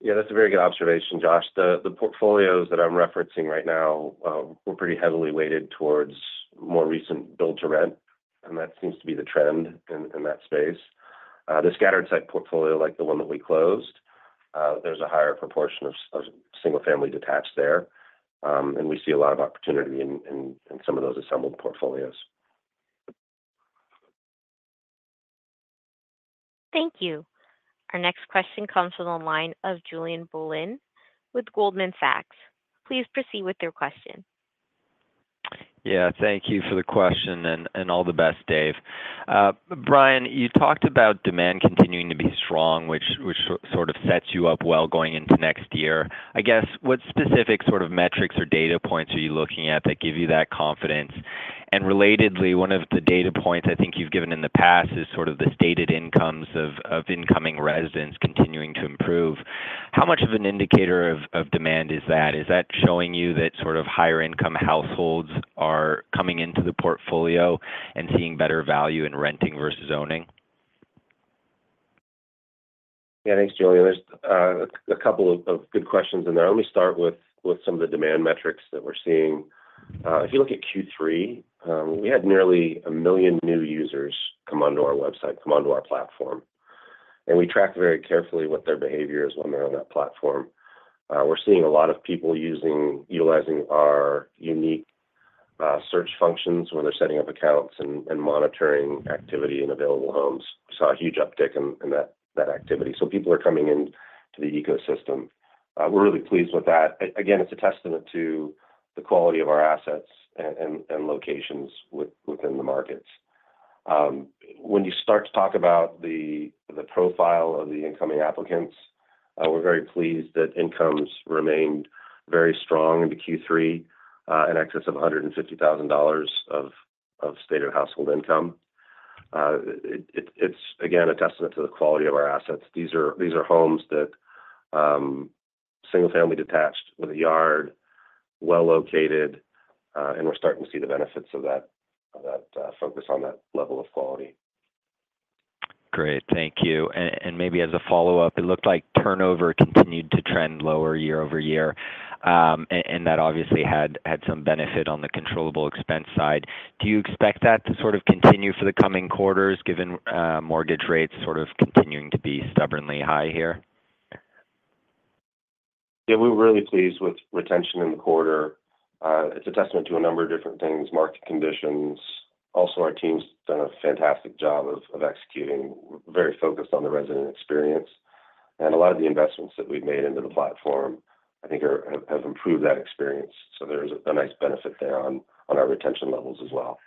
Yeah, that's a very good observation, Josh. The portfolios that I'm referencing right now were pretty heavily weighted towards more recent build-to-rent, and that seems to be the trend in that space. The scattered-site portfolio, like the one that we closed, there's a higher proportion of single-family detached there, and we see a lot of opportunity in some of those assembled portfolios. Thank you. Our next question comes from the line of Julien Blouin with Goldman Sachs. Please proceed with your question. Yeah. Thank you for the question and all the best, Dave. Bryan, you talked about demand continuing to be strong, which sort of sets you up well going into next year. I guess what specific sort of metrics or data points are you looking at that give you that confidence? And relatedly, one of the data points I think you've given in the past is sort of the stated incomes of incoming residents continuing to improve. How much of an indicator of demand is that? Is that showing you that sort of higher-income households are coming into the portfolio and seeing better value in renting versus owning? Yeah, thanks, Julien. There's a couple of good questions in there. Let me start with some of the demand metrics that we're seeing. If you look at Q3, we had nearly a million new users come onto our website, come onto our platform. And we track very carefully what their behavior is when they're on that platform. We're seeing a lot of people utilizing our unique search functions when they're setting up accounts and monitoring activity and available homes. We saw a huge uptick in that activity. So people are coming into the ecosystem. We're really pleased with that. Again, it's a testament to the quality of our assets and locations within the markets. When you start to talk about the profile of the incoming applicants, we're very pleased that incomes remained very strong into Q3, in excess of $150,000 of stated household income. It's, again, a testament to the quality of our assets. These are homes that single-family detached with a yard, well-located, and we're starting to see the benefits of that focus on that level of quality. Great. Thank you. And maybe as a follow-up, it looked like turnover continued to trend lower year-over-year. And that obviously had some benefit on the controllable expense side. Do you expect that to sort of continue for the coming quarters, given mortgage rates sort of continuing to be stubbornly high here? Yeah, we're really pleased with retention in the quarter. It's a testament to a number of different things: market conditions. Also, our team's done a fantastic job of executing. We're very focused on the resident experience. And a lot of the investments that we've made into the platform, I think, have improved that experience. So there's a nice benefit there on our retention levels as well.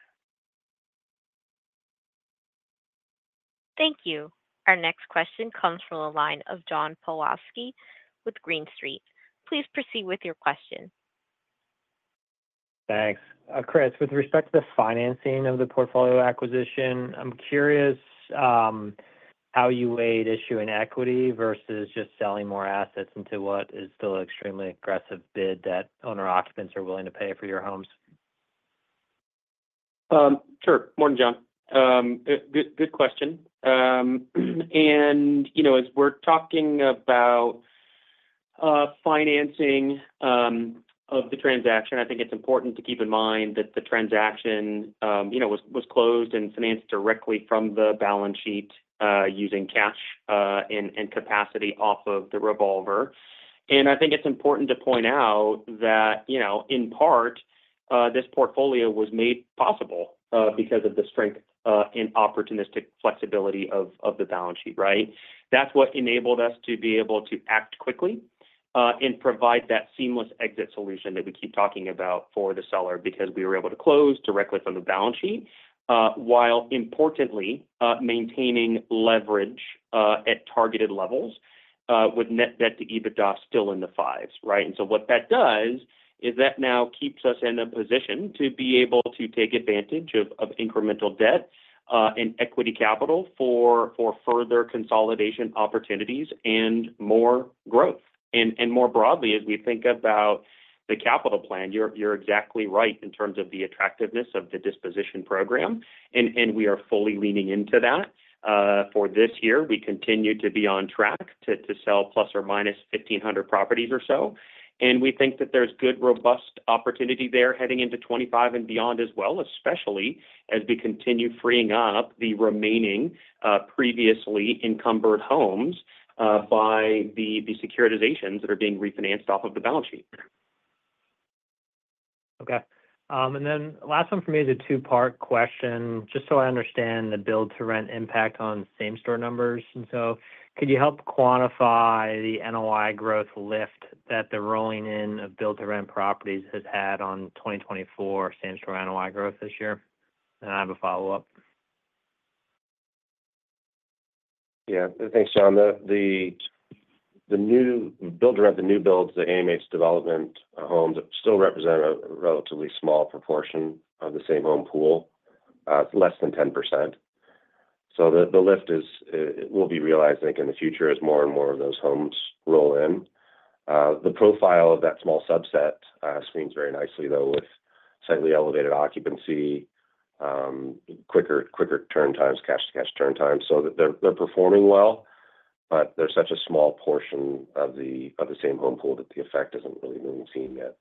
Thank you. Our next question comes from the line of John Pawlowski with Green Street. Please proceed with your question. Thanks. Chris, with respect to the financing of the portfolio acquisition, I'm curious how you weighed issuing equity versus just selling more assets into what is still an extremely aggressive bid that owner-occupants are willing to pay for your homes? Sure. Morning, John. Good question. And as we're talking about financing of the transaction, I think it's important to keep in mind that the transaction was closed and financed directly from the balance sheet using cash and capacity off of the revolver. And I think it's important to point out that, in part, this portfolio was made possible because of the strength and opportunistic flexibility of the balance sheet, right? That's what enabled us to be able to act quickly and provide that seamless exit solution that we keep talking about for the seller because we were able to close directly from the balance sheet while, importantly, maintaining leverage at targeted levels with net debt to EBITDA still in the fives, right? And so what that does is that now keeps us in a position to be able to take advantage of incremental debt and equity capital for further consolidation opportunities and more growth. And more broadly, as we think about the capital plan, you're exactly right in terms of the attractiveness of the disposition program. And we are fully leaning into that. For this year, we continue to be on track to sell plus or minus 1,500 properties or so. And we think that there's good, robust opportunity there heading into 2025 and beyond as well, especially as we continue freeing up the remaining previously encumbered homes by the securitizations that are being refinanced off of the balance sheet. Okay. And then last one for me, the two-part question. Just so I understand the build-to-rent impact on same-store numbers. And so could you help quantify the NOI growth lift that the rolling-in of build-to-rent properties has had on 2024 same-store NOI growth this year? And I have a follow-up. Yeah. Thanks, John. The build-to-rent, the new builds, the AMH development homes still represent a relatively small proportion of the same home pool. It's less than 10%. So the lift will be realized, I think, in the future as more and more of those homes roll in. The profile of that small subset screens very nicely, though, with slightly elevated occupancy, quicker turn times, cash-to-cash turn times. So they're performing well, but they're such a small portion of the same home pool that the effect isn't really being seen yet.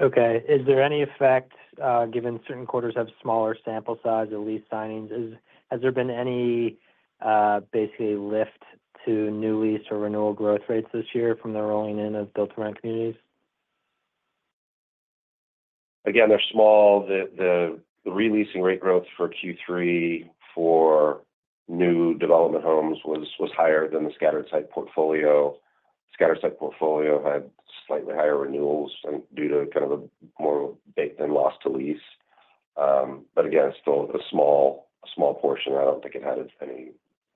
Okay. Is there any effect given certain quarters have smaller sample size of lease signings? Has there been any basic lift to new lease or renewal growth rates this year from the rolling-in of build-to-rent communities? Again, they're small. The re-leasing rate growth for Q3 for new development homes was higher than the scattered-site portfolio. Scattered-type portfolio had slightly higher renewals due to kind of a more baked-in loss to lease. But again, it's still a small portion. I don't think it had any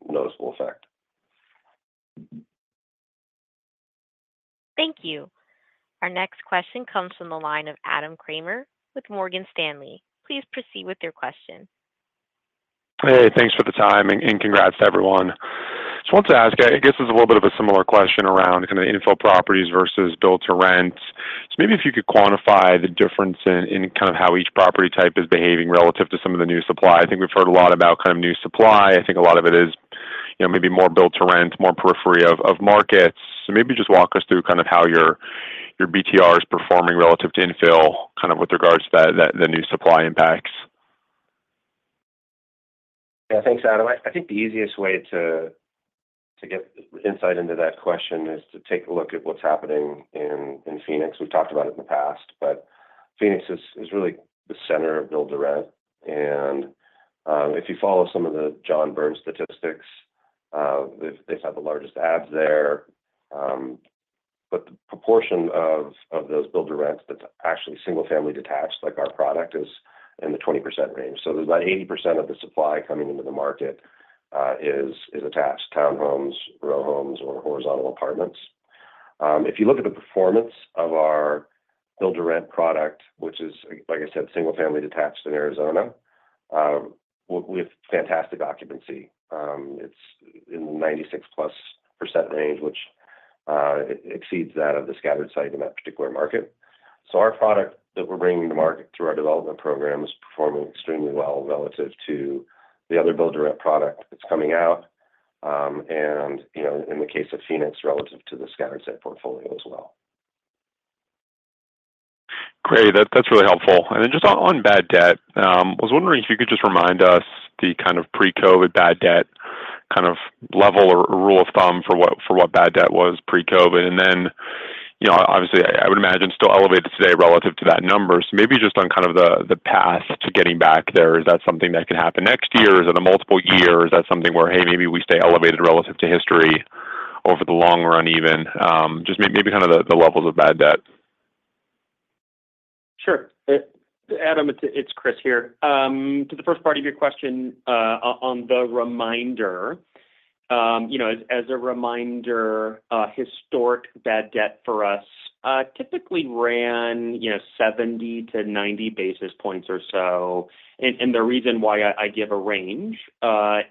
noticeable effect. Thank you. Our next question comes from the line of Adam Kramer with Morgan Stanley. Please proceed with your question. Hey, thanks for the time, and congrats to everyone. Just wanted to ask. I guess this is a little bit of a similar question around kind of infill properties versus build-to-rent. Maybe if you could quantify the difference in kind of how each property type is behaving relative to some of the new supply. I think we've heard a lot about kind of new supply. I think a lot of it is maybe more build-to-rent, more periphery of markets. Maybe just walk us through kind of how your BTR is performing relative to infill, kind of with regards to the new supply impacts. Yeah. Thanks, Adam. I think the easiest way to get insight into that question is to take a look at what's happening in Phoenix. We've talked about it in the past, but Phoenix is really the center of build-to-rent. If you follow some of the John Burns statistics, they've had the largest adds there. But the proportion of those build-to-rent that's actually single-family detached, like our product, is in the 20% range. So there's about 80% of the supply coming into the market is attached: townhomes, row homes, or horizontal apartments. If you look at the performance of our build-to-rent product, which is, like I said, single-family detached in Arizona with fantastic occupancy, it's in the 96-plus% range, which exceeds that of the scattered site in that particular market. So our product that we're bringing to market through our development program is performing extremely well relative to the other build-to-rent product that's coming out. And in the case of Phoenix, relative to the scattered-type portfolio as well. Great. That's really helpful. And then just on bad debt, I was wondering if you could just remind us the kind of pre-COVID bad debt kind of level or rule of thumb for what bad debt was pre-COVID. And then, obviously, I would imagine still elevated today relative to that number. So maybe just on kind of the path to getting back there, is that something that can happen next year? Is it a multiple year? Is that something where, hey, maybe we stay elevated relative to history over the long run even? Just maybe kind of the levels of bad debt. Sure. Adam, it's Chris here. To the first part of your question on the reminder, as a reminder, historic bad debt for us typically ran 70-90 basis points or so. And the reason why I give a range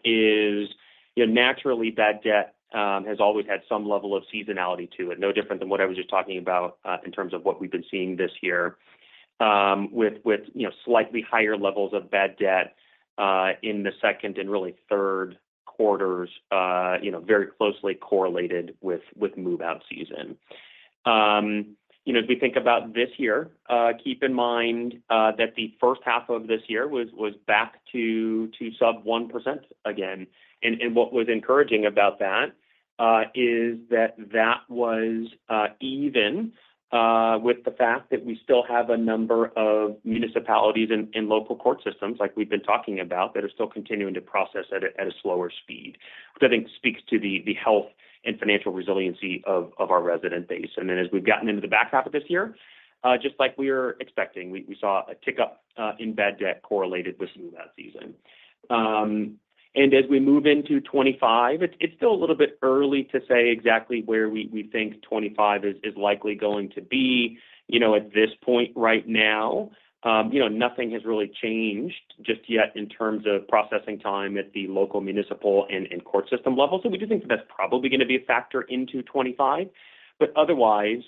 is, naturally, bad debt has always had some level of seasonality to it, no different than what I was just talking about in terms of what we've been seeing this year with slightly higher levels of bad debt in the second and really third quarters, very closely correlated with move-out season. As we think about this year, keep in mind that the first half of this year was back to sub 1% again. And what was encouraging about that is that that was even with the fact that we still have a number of municipalities and local court systems, like we've been talking about, that are still continuing to process at a slower speed, which I think speaks to the health and financial resiliency of our resident base. And then as we've gotten into the back half of this year, just like we were expecting, we saw a tick up in bad debt correlated with move-out season. And as we move into 2025, it's still a little bit early to say exactly where we think 2025 is likely going to be. At this point right now, nothing has really changed just yet in terms of processing time at the local, municipal, and court system level. So we do think that that's probably going to be a factor into 2025. But otherwise,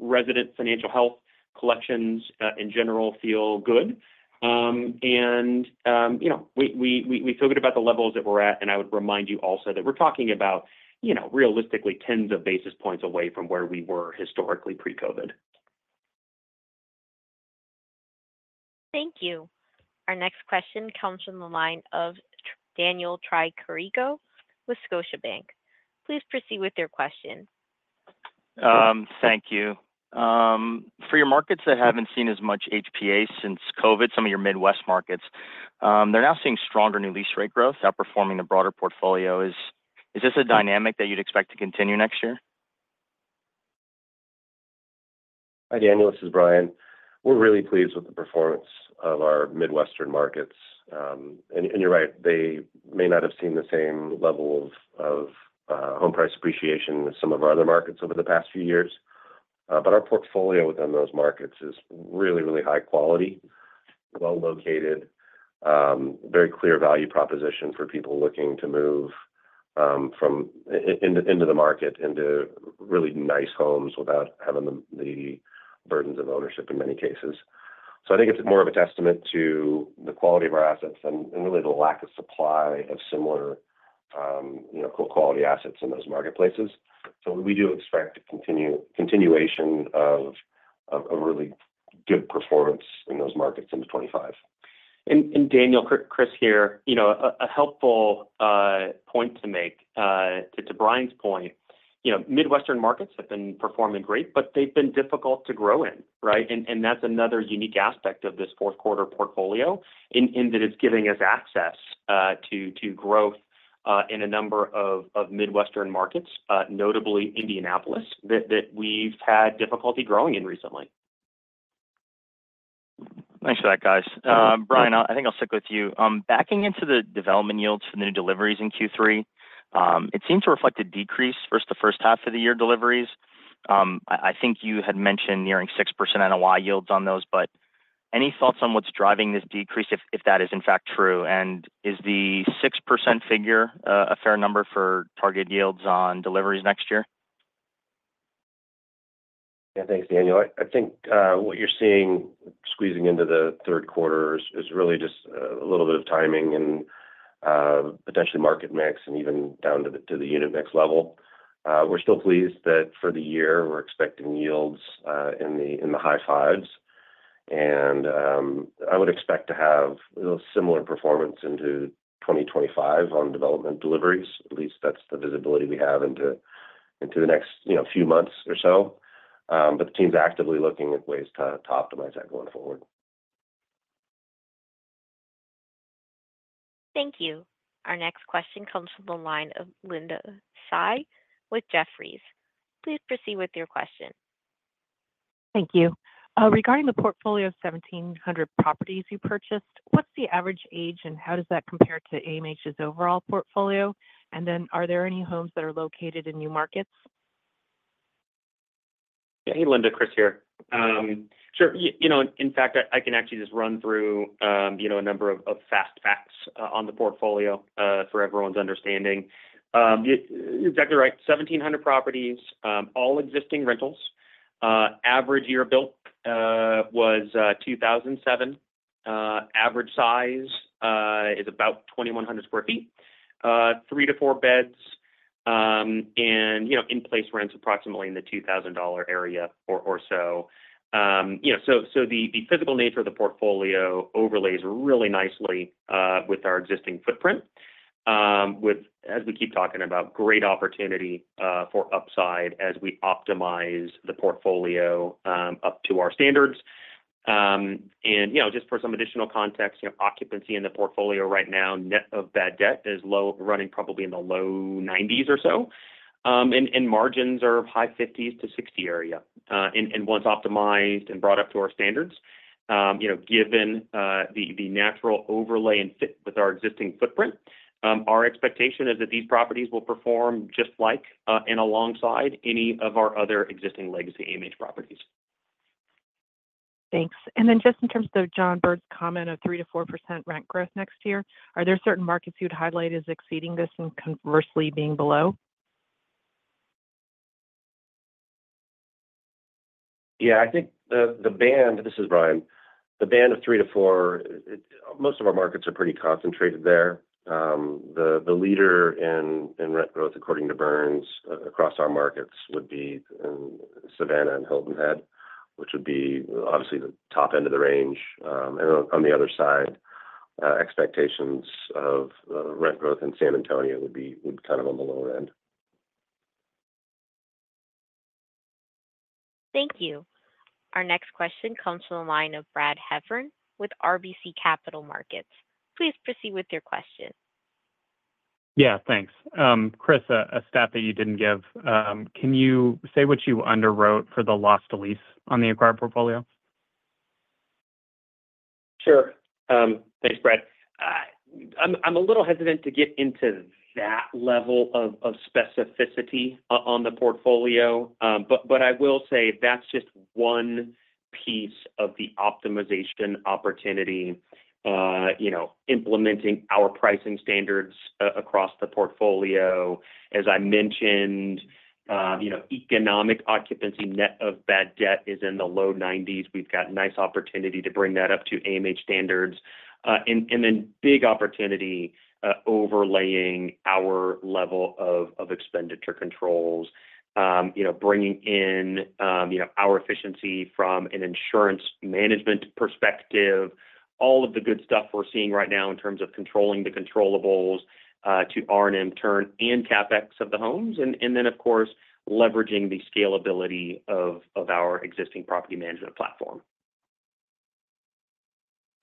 resident financial health collections in general feel good. And we feel good about the levels that we're at. And I would remind you also that we're talking about realistically tens of basis points away from where we were historically pre-COVID. Thank you. Our next question comes from the line of Daniel Tricarico with Scotiabank. Please proceed with your question. Thank you. For your markets that haven't seen as much HPA since COVID, some of your Midwest markets, they're now seeing stronger new lease rate growth, outperforming the broader portfolio. Is this a dynamic that you'd expect to continue next year? Hi, Daniel. This is Bryan. We're really pleased with the performance of our Midwestern markets. You're right. They may not have seen the same level of home price appreciation as some of our other markets over the past few years. Our portfolio within those markets is really, really high quality, well-located, very clear value proposition for people looking to move into the market into really nice homes without having the burdens of ownership in many cases. I think it's more of a testament to the quality of our assets and really the lack of supply of similar quality assets in those marketplaces. We do expect continuation of really good performance in those markets into 2025. And Daniel, Chris here, a helpful point to make to Bryan's point. Midwestern markets have been performing great, but they've been difficult to grow in, right? And that's another unique aspect of this fourth-quarter portfolio in that it's giving us access to growth in a number of Midwestern markets, notably Indianapolis, that we've had difficulty growing in recently. Thanks for that, guys. Bryan, I think I'll stick with you. Backing into the development yields for the new deliveries in Q3, it seems to reflect a decrease versus the first half of the year deliveries. I think you had mentioned nearing 6% NOI yields on those, but any thoughts on what's driving this decrease if that is in fact true? And is the 6% figure a fair number for target yields on deliveries next year? Yeah. Thanks, Daniel. I think what you're seeing squeezing into the third quarter is really just a little bit of timing and potentially market mix and even down to the unit mix level. We're still pleased that for the year, we're expecting yields in the high fives, and I would expect to have a similar performance into 2025 on development deliveries. At least that's the visibility we have into the next few months or so, but the team's actively looking at ways to optimize that going forward. Thank you. Our next question comes from the line of Linda Tsai with Jefferies. Please proceed with your question. Thank you. Regarding the portfolio of 1,700 properties you purchased, what's the average age and how does that compare to AMH's overall portfolio? And then are there any homes that are located in new markets? Yeah. Hey, Linda, Chris here. Sure. In fact, I can actually just run through a number of fast facts on the portfolio for everyone's understanding. You're exactly right. 1,700 properties, all existing rentals. Average year built was 2007. Average size is about 2,100 sq ft, three to four beds, and in-place rents approximately in the $2,000 area or so. So the physical nature of the portfolio overlays really nicely with our existing footprint, as we keep talking about great opportunity for upside as we optimize the portfolio up to our standards. And just for some additional context, occupancy in the portfolio right now, net of bad debt, is running probably in the low 90s% or so. And margins are high 50s to 60% area. Once optimized and brought up to our standards, given the natural overlay and fit with our existing footprint, our expectation is that these properties will perform just like and alongside any of our other existing legacy AMH properties. Thanks. And then just in terms of John Burns's comment of 3%-4% rent growth next year, are there certain markets you'd highlight as exceeding this and conversely being below? Yeah. I think the band, this is Bryan, the band of three to four, most of our markets are pretty concentrated there. The leader in rent growth, according to Burns, across our markets would be Savannah and Hilton Head, which would be obviously the top end of the range, and on the other side, expectations of rent growth in San Antonio would be kind of on the lower end. Thank you. Our next question comes from the line of Brad Heffern with RBC Capital Markets. Please proceed with your question. Yeah. Thanks, Chris. A stat that you didn't give. Can you say what you underwrote for the loss to lease on the acquired portfolio? Sure. Thanks, Brad. I'm a little hesitant to get into that level of specificity on the portfolio. But I will say that's just one piece of the optimization opportunity, implementing our pricing standards across the portfolio. As I mentioned, economic occupancy net of bad debt is in the low 90s. We've got nice opportunity to bring that up to AMH standards. And then big opportunity overlaying our level of expenditure controls, bringing in our efficiency from an insurance management perspective, all of the good stuff we're seeing right now in terms of controlling the controllables, to R&M turn and CapEx of the homes. And then, of course, leveraging the scalability of our existing property management platform.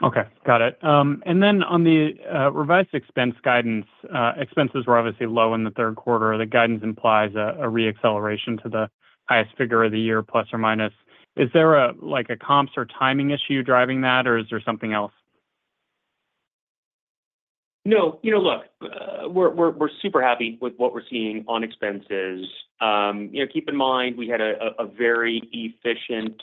Okay. Got it and then on the revised expense guidance, expenses were obviously low in the third quarter. The guidance implies a re-acceleration to the highest figure of the year, plus or minus. Is there a comps or timing issue driving that, or is there something else? No. Look, we're super happy with what we're seeing on expenses. Keep in mind, we had a very efficient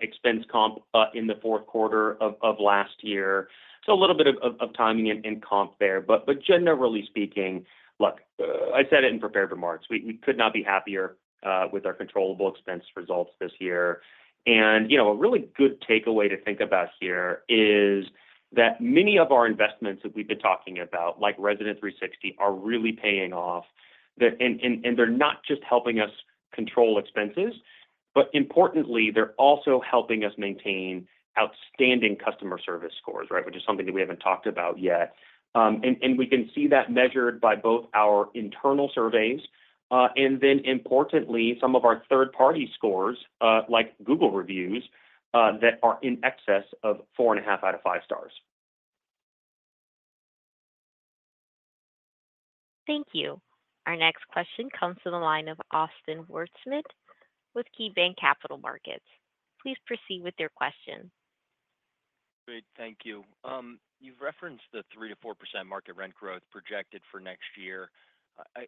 expense comp in the fourth quarter of last year. So a little bit of timing and comp there. But generally speaking, look, I said it in prepared remarks. We could not be happier with our controllable expense results this year, and a really good takeaway to think about here is that many of our investments that we've been talking about, like Resident360, are really paying off. And they're not just helping us control expenses, but importantly, they're also helping us maintain outstanding customer service scores, right, which is something that we haven't talked about yet, and we can see that measured by both our internal surveys, and then, importantly, some of our third-party scores, like Google reviews, that are in excess of four and a half out of five stars. Thank you. Our next question comes from the line of Austin Wurschmidt with KeyBanc Capital Markets. Please proceed with your question. Great. Thank you. You've referenced the 3%-4% market rent growth projected for next year.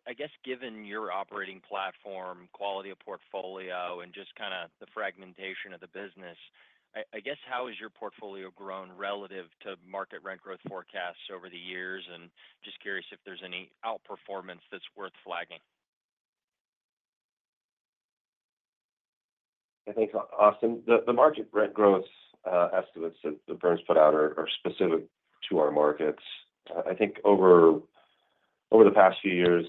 I guess, given your operating platform, quality of portfolio, and just kind of the fragmentation of the business, I guess, how has your portfolio grown relative to market rent growth forecasts over the years? And just curious if there's any outperformance that's worth flagging? Yeah. Thanks, Austin. The market rent growth estimates that Burns' put out are specific to our markets. I think over the past few years,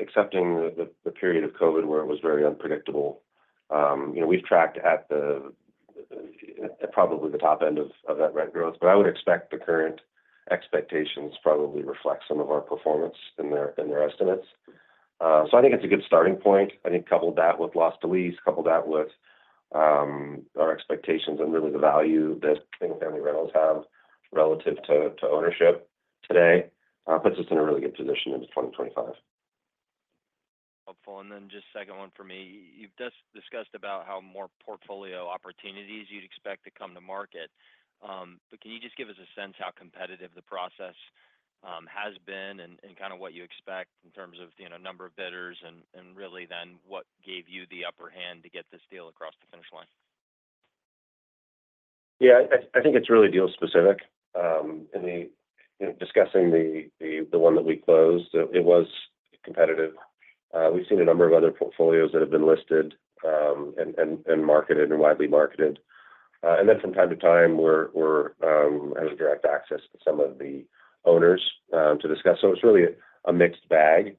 excepting the period of COVID where it was very unpredictable, we've tracked at probably the top end of that rent growth. But I would expect the current expectations probably reflect some of our performance in their estimates. So I think it's a good starting point. I think couple that with loss to lease, couple that with our expectations and really the value that single-family rentals have relative to ownership today, puts us in a really good position into 2025. Helpful, and then just second one for me. You've discussed about how more portfolio opportunities you'd expect to come to market, but can you just give us a sense how competitive the process has been, and kind of what you expect in terms of number of bidders, and really then what gave you the upper hand to get this deal across the finish line? Yeah. I think it's really deal-specific, and discussing the one that we closed, it was competitive. We've seen a number of other portfolios that have been listed and marketed and widely marketed, and then from time to time, we're having direct access to some of the owners to discuss, so it's really a mixed bag,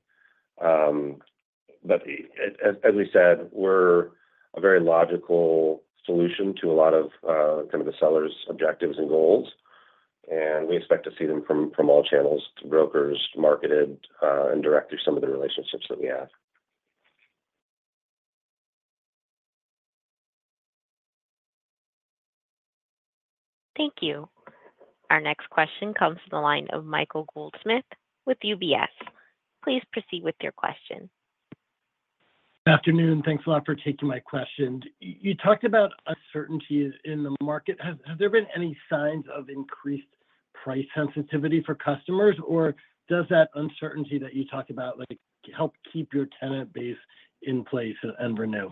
but as we said, we're a very logical solution to a lot of kind of the seller's objectives and goals, and we expect to see them from all channels to brokers, marketed, and direct through some of the relationships that we have. Thank you. Our next question comes from the line of Michael Goldsmith with UBS. Please proceed with your question. Good afternoon. Thanks a lot for taking my question. You talked about uncertainty in the market. Has there been any signs of increased price sensitivity for customers, or does that uncertainty that you talked about help keep your tenant base in place and renew?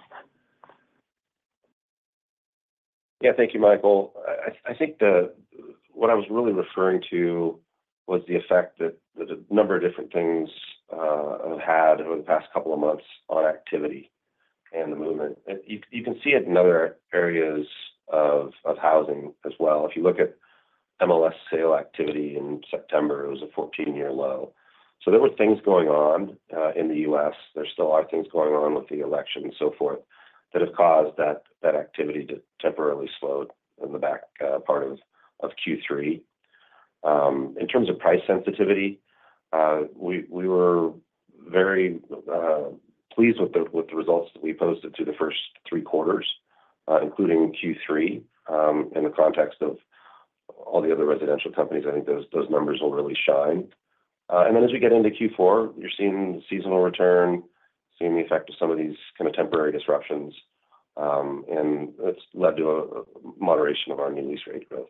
Yeah. Thank you, Michael. I think what I was really referring to was the effect that a number of different things have had over the past couple of months on activity and the movement. You can see it in other areas of housing as well. If you look at MLS sale activity in September, it was a 14-year low. So there were things going on in the U.S. There still are things going on with the election and so forth that have caused that activity to temporarily slow in the back part of Q3. In terms of price sensitivity, we were very pleased with the results that we posted through the first three quarters, including Q3, in the context of all the other residential companies. I think those numbers will really shine. And then as we get into Q4, you're seeing seasonal return, seeing the effect of some of these kind of temporary disruptions. And it's led to a moderation of our new lease rate growth.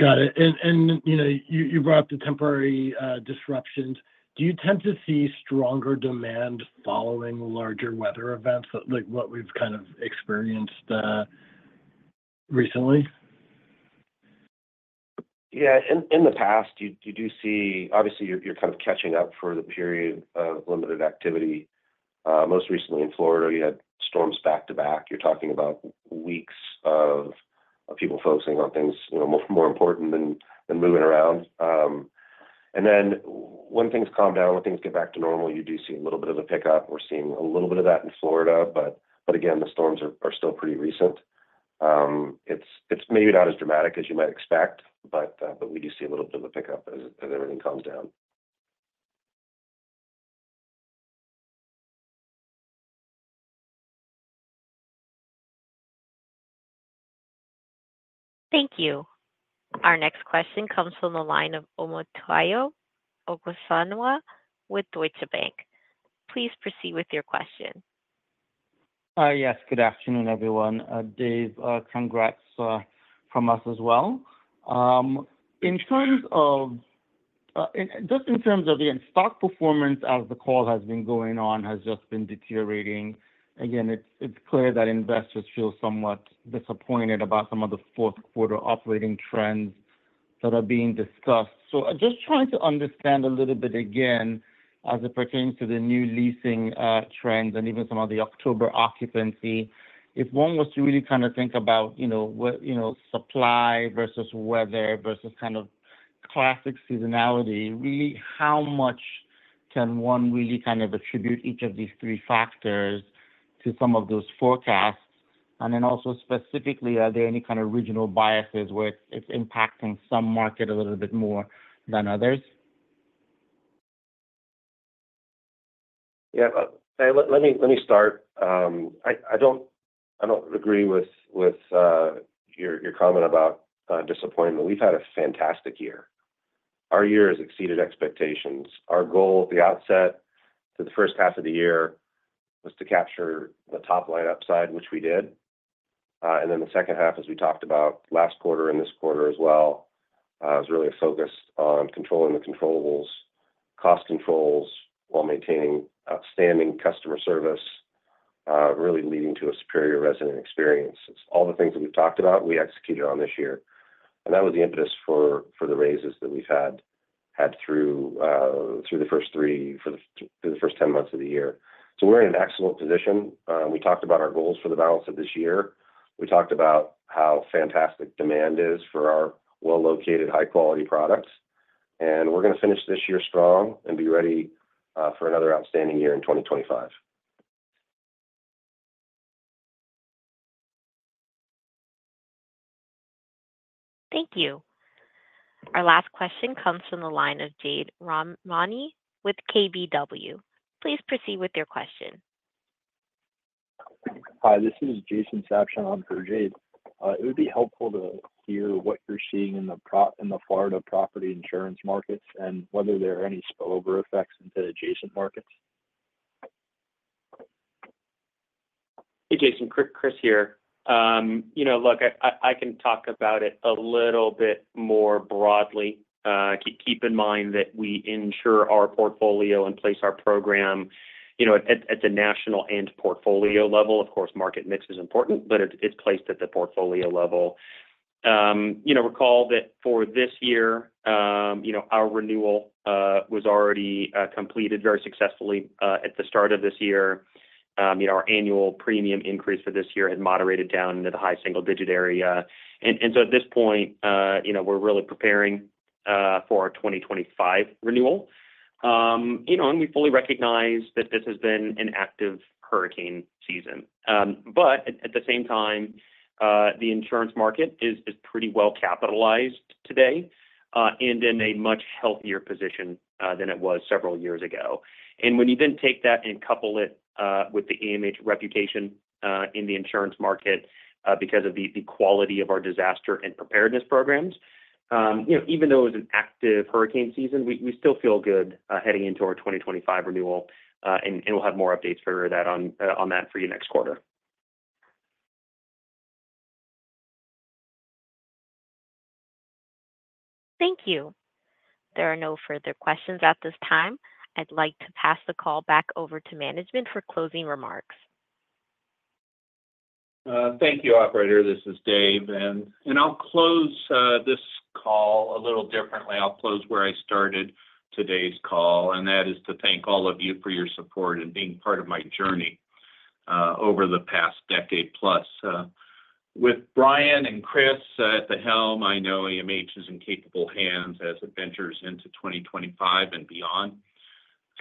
Got it. And you brought up the temporary disruptions. Do you tend to see stronger demand following larger weather events like what we've kind of experienced recently? Yeah. In the past, you do see obviously, you're kind of catching up for the period of limited activity. Most recently in Florida, you had storms back to back. You're talking about weeks of people focusing on things more important than moving around. And then when things calm down, when things get back to normal, you do see a little bit of a pickup. We're seeing a little bit of that in Florida. But again, the storms are still pretty recent. It's maybe not as dramatic as you might expect, but we do see a little bit of a pickup as everything calms down. Thank you. Our next question comes from the line of Omotayo Okusanya with Deutsche Bank. Please proceed with your question. Yes. Good afternoon, everyone. Dave, congrats from us as well. In terms of just in terms of, again, stock performance as the call has been going on has just been deteriorating. Again, it's clear that investors feel somewhat disappointed about some of the fourth-quarter operating trends that are being discussed. So just trying to understand a little bit again as it pertains to the new leasing trends and even some of the October occupancy. If one was to really kind of think about supply versus weather versus kind of classic seasonality, really, how much can one really kind of attribute each of these three factors to some of those forecasts? And then also specifically, are there any kind of regional biases where it's impacting some market a little bit more than others? Yeah. Let me start. I don't agree with your comment about disappointment. We've had a fantastic year. Our year has exceeded expectations. Our goal at the outset to the first half of the year was to capture the top line upside, which we did. And then the second half, as we talked about last quarter and this quarter as well, was really focused on controlling the controllables, cost controls, while maintaining outstanding customer service, really leading to a superior resident experience. It's all the things that we've talked about; we executed on this year. And that was the impetus for the raises that we've had through the first 10 months of the year. So we're in an excellent position. We talked about our goals for the balance of this year. We talked about how fantastic demand is for our well-located, high-quality products. We're going to finish this year strong and be ready for another outstanding year in 2025. Thank you. Our last question comes from the line of Jade Rahmani with KBW. Please proceed with your question. Hi. This is Jason Sabshon for Jade. It would be helpful to hear what you're seeing in the Florida property insurance markets and whether there are any spillover effects into adjacent markets. Hey, Jason. Chris here. Look, I can talk about it a little bit more broadly. Keep in mind that we insure our portfolio and place our program at the national and portfolio level. Of course, market mix is important, but it's placed at the portfolio level. Recall that for this year, our renewal was already completed very successfully at the start of this year. Our annual premium increase for this year had moderated down into the high single-digit area, and so at this point, we're really preparing for our 2025 renewal, and we fully recognize that this has been an active hurricane season, but at the same time, the insurance market is pretty well capitalized today and in a much healthier position than it was several years ago. And when you then take that and couple it with the AMH reputation in the insurance market because of the quality of our disaster and preparedness programs, even though it was an active hurricane season, we still feel good heading into our 2025 renewal. And we'll have more updates further that on that for you next quarter. Thank you. There are no further questions at this time. I'd like to pass the call back over to management for closing remarks. Thank you, Operator. This is David. And I'll close this call a little differently. I'll close where I started today's call. And that is to thank all of you for your support and being part of my journey over the past decade-plus. With Bryan and Chris at the helm, I know AMH is in capable hands as it ventures into 2025 and beyond.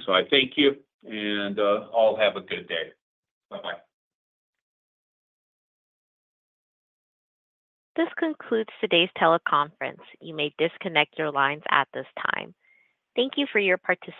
So I thank you. And all have a good day. Bye-bye. This concludes today's teleconference. You may disconnect your lines at this time. Thank you for your participation.